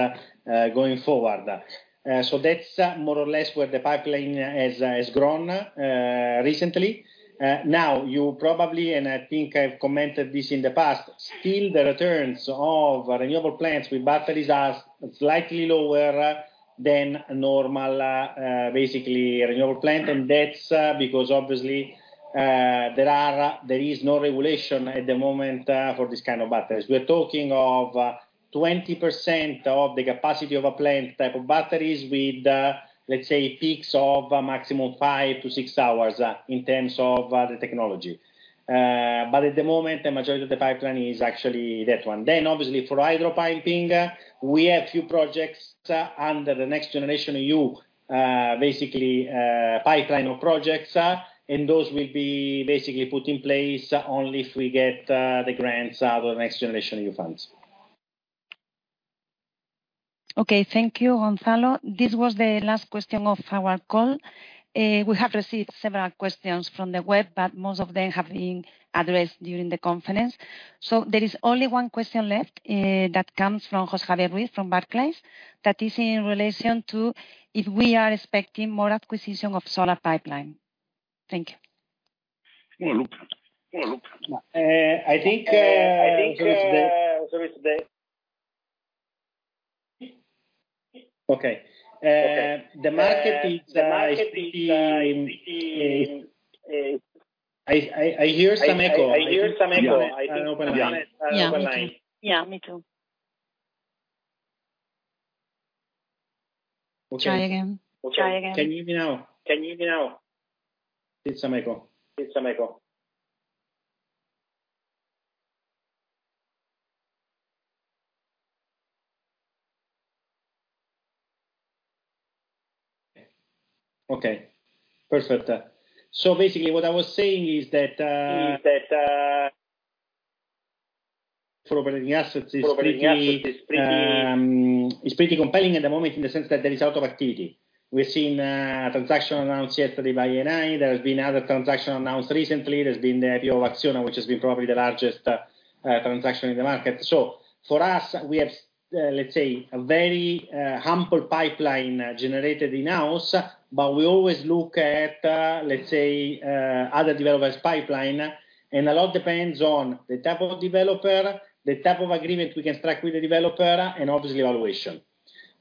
going forward. That's more or less where the pipeline has grown recently. You probably, and I think I've commented this in the past, still the returns of renewable plants with batteries are slightly lower than normal, basically, renewable plant, and that's because obviously there is no regulation at the moment for this kind of batteries. We're talking of 20% of the capacity of a plant type of batteries with, let's say, peaks of maximum five-six hours in terms of the technology. At the moment, the majority of the pipeline is actually that one. Obviously, for hydro piping, we have few projects under the NextGenerationEU, basically pipeline of projects, and those will be basically put in place only if we get the grants or the NextGenerationEU funds. Okay. Thank you, Gonzalo. This was the last question of our call. We have received several questions from the web, but most of them have been addressed during the conference. There is only one question left that comes from Jose Ruiz from Barclays, that is in relation to if we are expecting more acquisition of solar pipeline. Thank you. I think. Okay. I hear some echo. Yeah. Me too. Try again. Can you hear me now? It's an echo. Okay, perfect. Basically, what I was saying is that operating assets is pretty compelling at the moment in the sense that there is a lot of activity. We've seen a transaction announced yesterday by Eni. There has been other transactions announced recently. There's been the IPO of Acciona, which has been probably the largest transaction in the market. For us, we have, let's say, a very humble pipeline generated in-house. We always look at, let's say, other developers' pipeline, and a lot depends on the type of developer, the type of agreement we can strike with the developer, and obviously, valuation.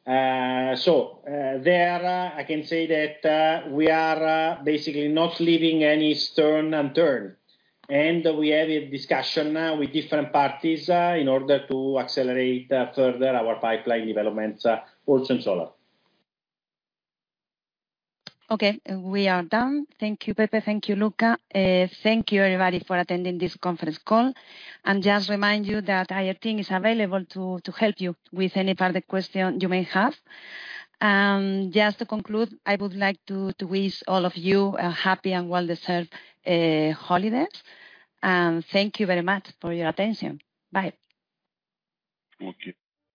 There, I can say that we are basically not leaving any stone unturned. We are in discussion with different parties in order to accelerate further our pipeline developments for sun solar. Okay, we are done. Thank you, Pepe. Thank you, Luca. Thank you, everybody, for attending this conference call. Just remind you that our team is available to help you with any further questions you may have. Just to conclude, I would like to wish all of you a happy and well-deserved holiday. Thank you very much for your attention. Bye. Okay.